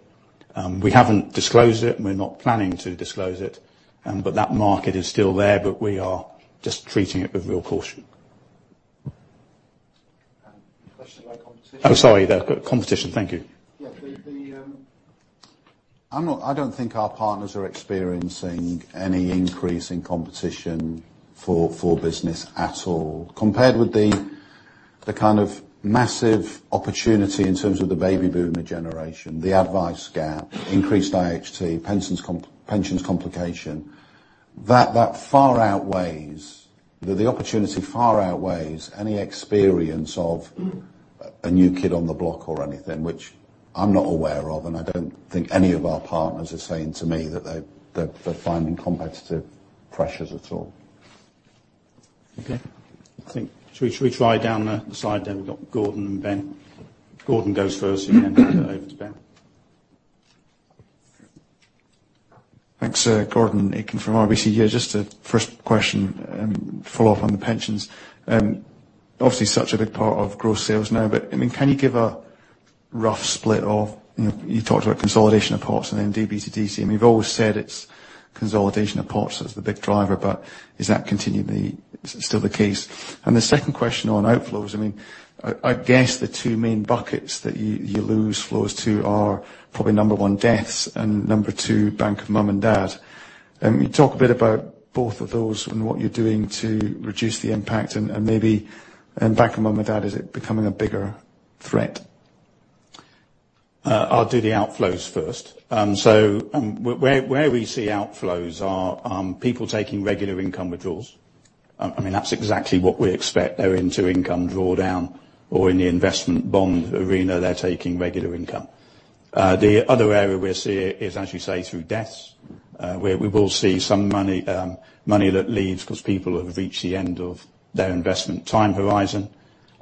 Speaker 1: We haven't disclosed it, we're not planning to disclose it. That market is still there, but we are just treating it with real caution. Question about competition. Oh, sorry. The competition. Thank you.
Speaker 2: Yeah. I don't think our partners are experiencing any increase in competition for business at all. Compared with the kind of massive opportunity in terms of the baby boomer generation, the advice gap, increased IHT, pensions complication. The opportunity far outweighs any experience of a new kid on the block or anything, which I'm not aware of, and I don't think any of our partners are saying to me that they're finding competitive pressures at all.
Speaker 1: Okay. I think should we try down the side there? We've got Gordon and Ben. Gordon goes first, and then over to Ben.
Speaker 9: Thanks. Gordon Aitken from RBC here. Just a first question, follow up on the pensions. Obviously such a big part of gross sales now. Can you give a rough split of You talked about consolidation of pots and then DB to DC, and we've always said it's consolidation of pots that's the big driver. Is that continuing to be still the case? The second question on outflows, I guess the two main buckets that you lose flows to are probably number 1, deaths, and number 2, Bank of Mum and Dad. Can you talk a bit about both of those and what you're doing to reduce the impact? Maybe Bank of Mum and Dad, is it becoming a bigger threat?
Speaker 1: I'll do the outflows first. Where we see outflows are people taking regular income withdrawals, I mean, that's exactly what we expect. They're into income drawdown or in the investment bond arena, they're taking regular income. The other area we're seeing is, as you say, through deaths, where we will see some money that leaves because people have reached the end of their investment time horizon.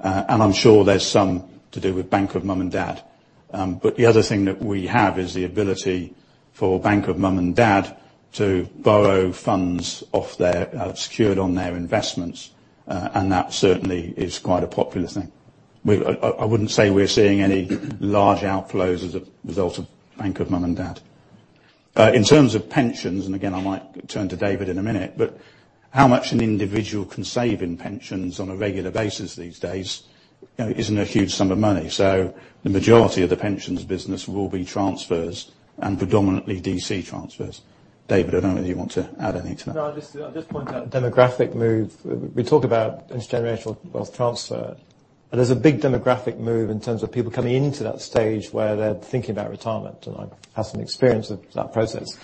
Speaker 1: I'm sure there's some to do with Bank of Mum and Dad. The other thing that we have is the ability for Bank of Mum and Dad to borrow funds secured on their investments, and that certainly is quite a popular thing. I wouldn't say we're seeing any large outflows as a result of Bank of Mum and Dad. In terms of pensions, again, I might turn to David in a minute, but how much an individual can save in pensions on a regular basis these days, isn't a huge sum of money. The majority of the pensions business will be transfers and predominantly DC transfers. David, I don't know whether you want to add anything to that.
Speaker 7: No, I'll just point out demographic move. We talk about intergenerational wealth transfer, but there's a big demographic move in terms of people coming into that stage where they're thinking about retirement, and I have some experience with that process.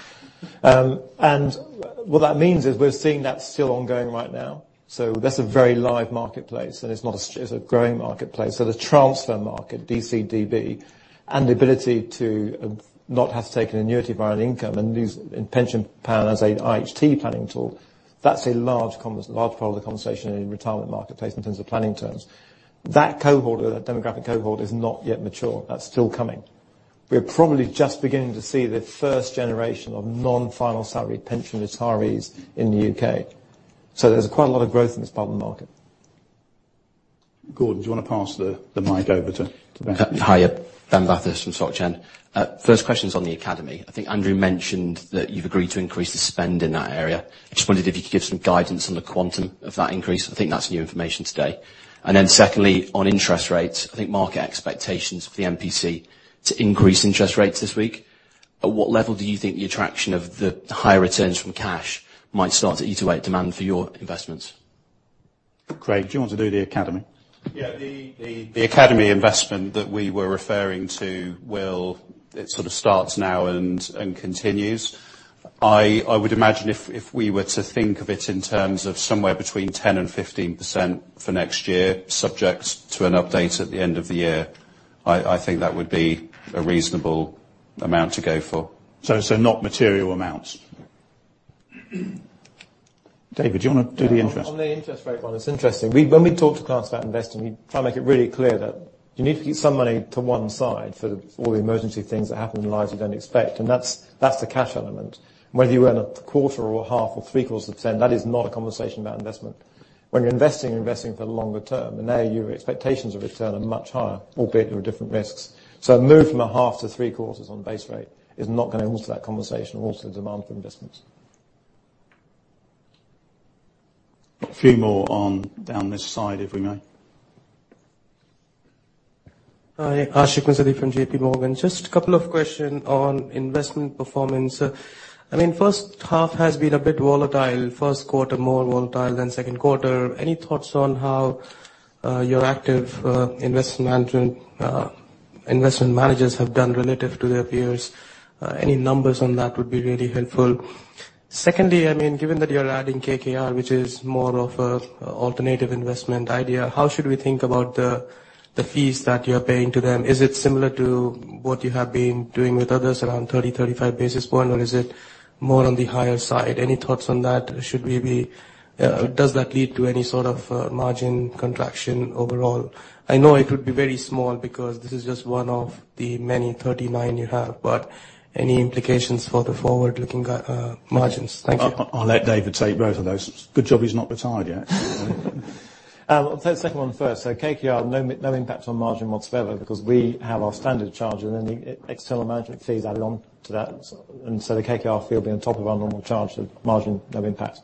Speaker 7: What that means is we're seeing that's still ongoing right now. That's a very live marketplace, and it's a growing marketplace. The transfer market, DC, DB, and the ability to not have to take an annuity via an income and use a pension plan as an IHT planning tool. That's a large part of the conversation in retirement marketplace in terms of planning terms. That cohort, that demographic cohort, is not yet mature. That's still coming. We're probably just beginning to see the first generation of non-final salary pension retirees in the U.K. There's quite a lot of growth in this part of the market.
Speaker 1: Gordon, do you want to pass the mic over to Ben?
Speaker 10: Hi. Ben Bathurst from Société Générale. First question's on the Academy. I think Andrew mentioned that you've agreed to increase the spend in that area. I just wondered if you could give some guidance on the quantum of that increase. I think that's new information today. Then secondly, on interest rates, I think market expectations for the MPC to increase interest rates this week, at what level do you think the attraction of the higher returns from cash might start to eat away at demand for your investments?
Speaker 1: Craig, do you want to do the academy?
Speaker 2: Yeah. The academy investment that we were referring to, it sort of starts now and continues. I would imagine if we were to think of it in terms of somewhere between 10% and 15% for next year, subject to an update at the end of the year, I think that would be a reasonable amount to go for.
Speaker 1: Not material amounts. David, do you want to do the interest?
Speaker 7: On the interest rate one, it's interesting. When we talk to clients about investing, we try and make it really clear that you need to keep some money to one side for all the emergency things that happen in lives you don't expect, and that's the cash element. Whether you earn a quarter or a half or three-quarters of a %, that is not a conversation about investment. When you're investing, you're investing for the longer term, and there your expectations of return are much higher, albeit there are different risks. A move from a half to three-quarters on base rate is not going to alter that conversation or alter the demand for investments.
Speaker 1: A few more on down this side, if we may.
Speaker 11: Hi, Ashik Musaddi from JPMorgan. Just a couple of question on investment performance. I mean, first half has been a bit volatile. First quarter more volatile than second quarter. Any thoughts on how your active investment managers have done relative to their peers? Any numbers on that would be really helpful. Secondly, I mean, given that you're adding KKR, which is more of a alternative investment idea, how should we think about the fees that you're paying to them? Is it similar to what you have been doing with others around 30, 35 basis point, or is it more on the higher side? Any thoughts on that? Does that lead to any sort of margin contraction overall? I know it could be very small because this is just one of the many 39 you have, but any implications for the forward-looking margins? Thank you.
Speaker 1: I'll let David take both of those. Good job he's not retired yet.
Speaker 7: KKR, no impact on margin whatsoever because we have our standard charge and any external management fees added on to that. The KKR fee will be on top of our normal charge to the margin, no impact.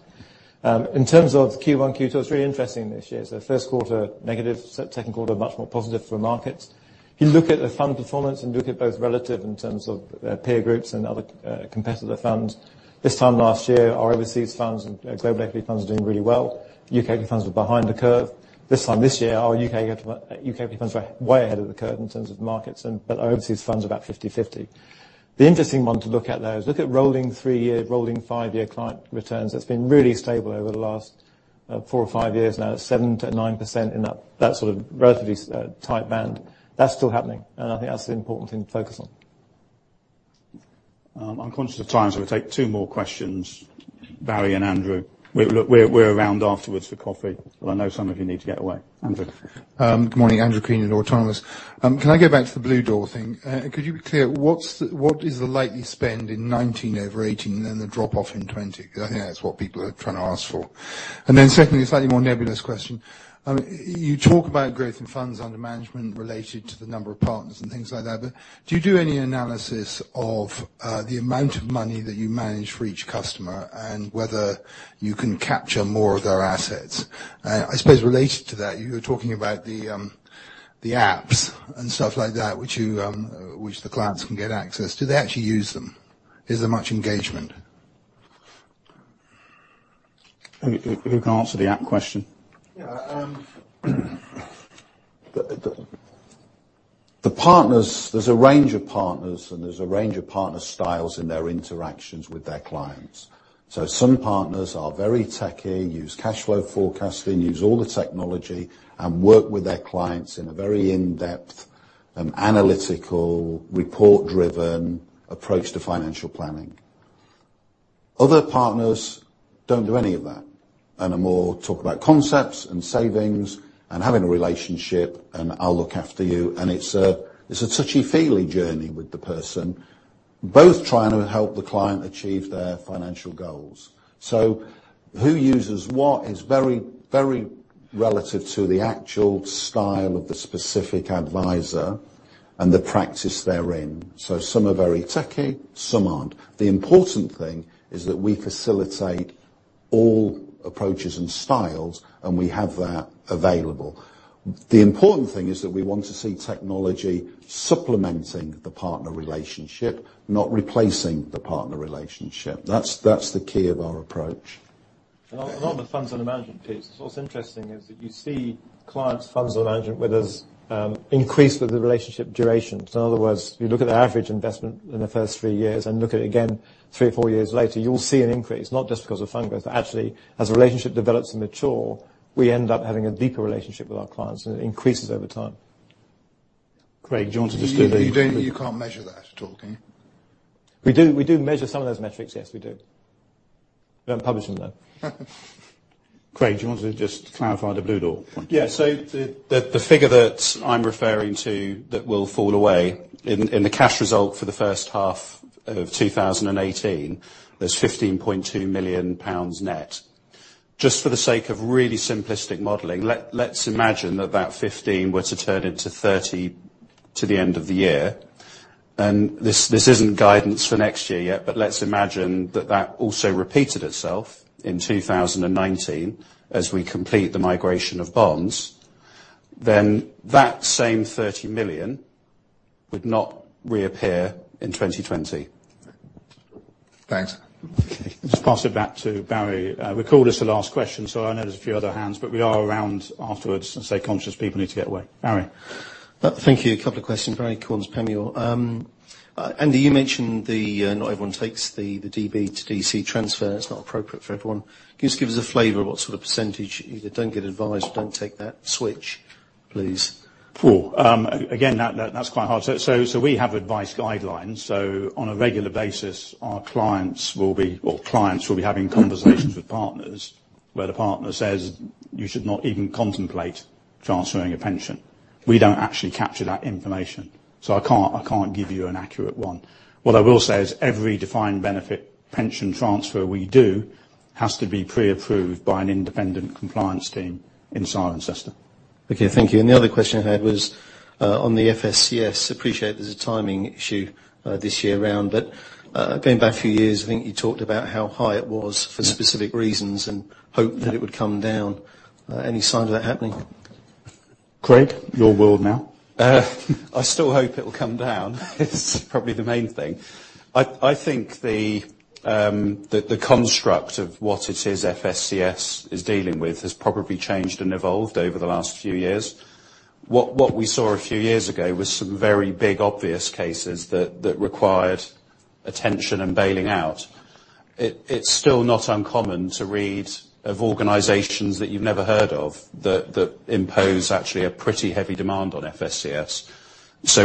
Speaker 7: In terms of Q1, Q2, it's really interesting this year. First quarter, negative. Second quarter, much more positive for the markets. If you look at the fund performance and look at both relative in terms of their peer groups and other competitor funds, this time last year, our overseas funds and global equity funds are doing really well. U.K. equity funds were behind the curve. This time this year, our U.K. equity funds are way ahead of the curve in terms of markets, but overseas funds are about 50/50. The interesting one to look at, though, is look at rolling three-year, rolling five-year client returns. It's been really stable over the last four or five years now at 7%-9% in that sort of relatively tight band. That's still happening, and I think that's the important thing to focus on.
Speaker 1: I'm conscious of time, we'll take two more questions. Barrie and Andrew. We're around afterwards for coffee, I know some of you need to get away. Andrew.
Speaker 12: Good morning. Andrew Crean at Autonomous. Can I go back to the Bluedoor thing? Could you be clear, what is the likely spend in 2019 over 2018, the drop-off in 2020? I think that's what people are trying to ask for. Secondly, a slightly more nebulous question. You talk about growth in funds under management related to the number of partners and things like that, do you do any analysis of the amount of money that you manage for each customer and whether you can capture more of their assets? I suppose related to that, you were talking about the apps and stuff like that, which the clients can get access. Do they actually use them? Is there much engagement?
Speaker 1: Who can answer the app question?
Speaker 3: The partners, there's a range of partners, and there's a range of partner styles in their interactions with their clients. Some partners are very techy, use cash flow forecasting, use all the technology, and work with their clients in a very in-depth and analytical, report-driven approach to financial planning. Other partners don't do any of that, and are more talk about concepts and savings, and having a relationship, and I'll look after you, and it's a touchy-feely journey with the person, both trying to help the client achieve their financial goals. Who uses what is very relative to the actual style of the specific advisor and the practice they're in. Some are very techy, some aren't. The important thing is that we facilitate all approaches and styles, and we have that available. The important thing is that we want to see technology supplementing the partner relationship, not replacing the partner relationship. That's the key of our approach.
Speaker 1: On the funds under management piece, what's interesting is that you see clients' funds under management where there's increase with the relationship duration. In other words, you look at the average investment in the first three years and look at it again three or four years later, you'll see an increase, not just because of fund growth, but actually, as the relationship develops and mature, we end up having a deeper relationship with our clients, and it increases over time. Craig, do you want to just do the?
Speaker 3: You don't You can't measure that at all, can you?
Speaker 1: We do measure some of those metrics, yes, we do. We don't publish them, though. Craig, do you want to just clarify the Bluedoor point?
Speaker 2: Yeah. The figure that I'm referring to that will fall away, in the cash result for the first half of 2018, there's GBP 15.2 million net. Just for the sake of really simplistic modeling, let's imagine that that 15 were to turn into 30 to the end of the year. This isn't guidance for next year yet, but let's imagine that that also repeated itself in 2019 as we complete the migration of bonds. That same 30 million would not reappear in 2020. Thanks.
Speaker 1: Okay. Just pass it back to Barrie. We called this the last question. I know there's a few other hands, but we are around afterwards. I'm conscious people need to get away. Barrie.
Speaker 13: Thank you. A couple of questions. Barrie Cornes, Panmure. Andy, you mentioned the, not everyone takes the DB to DC transfer. It's not appropriate for everyone. Can you just give us a flavor of what sort of percentage either don't get advised or don't take that switch, please?
Speaker 1: Poor. Again, that's quite hard. We have advice guidelines. On a regular basis, our clients will be Well, clients will be having conversations with partners where the partner says, "You should not even contemplate transferring a pension." We don't actually capture that information. I can't give you an accurate one. What I will say is every defined benefit pension transfer we do has to be pre-approved by an independent compliance team in Cirencester.
Speaker 13: Okay. Thank you. The other question I had was on the FSCS. Appreciate there's a timing issue this year around, going back a few years, I think you talked about how high it was for specific reasons and hoped that it would come down. Any sign of that happening?
Speaker 1: Craig, your world now.
Speaker 2: I still hope it'll come down. It's probably the main thing. I think the construct of what it is FSCS is dealing with has probably changed and evolved over the last few years. What we saw a few years ago was some very big obvious cases that required attention and bailing out. It's still not uncommon to read of organizations that you've never heard of that impose actually a pretty heavy demand on FSCS.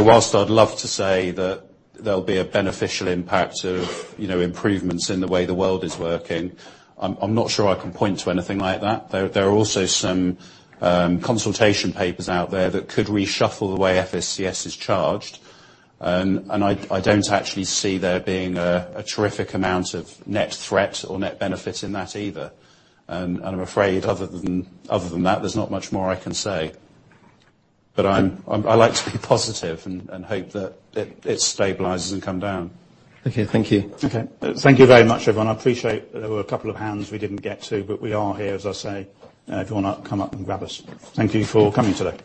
Speaker 2: Whilst I'd love to say that there'll be a beneficial impact of improvements in the way the world is working, I'm not sure I can point to anything like that. There are also some consultation papers out there that could reshuffle the way FSCS is charged, I don't actually see there being a terrific amount of net threat or net benefit in that either. I'm afraid other than that, there's not much more I can say. I like to be positive and hope that it stabilizes and come down.
Speaker 1: Okay. Thank you. Okay. Thank you very much, everyone. I appreciate there were a couple of hands we didn't get to, but we are here, as I say, if you want to come up and grab us. Thank you for coming today.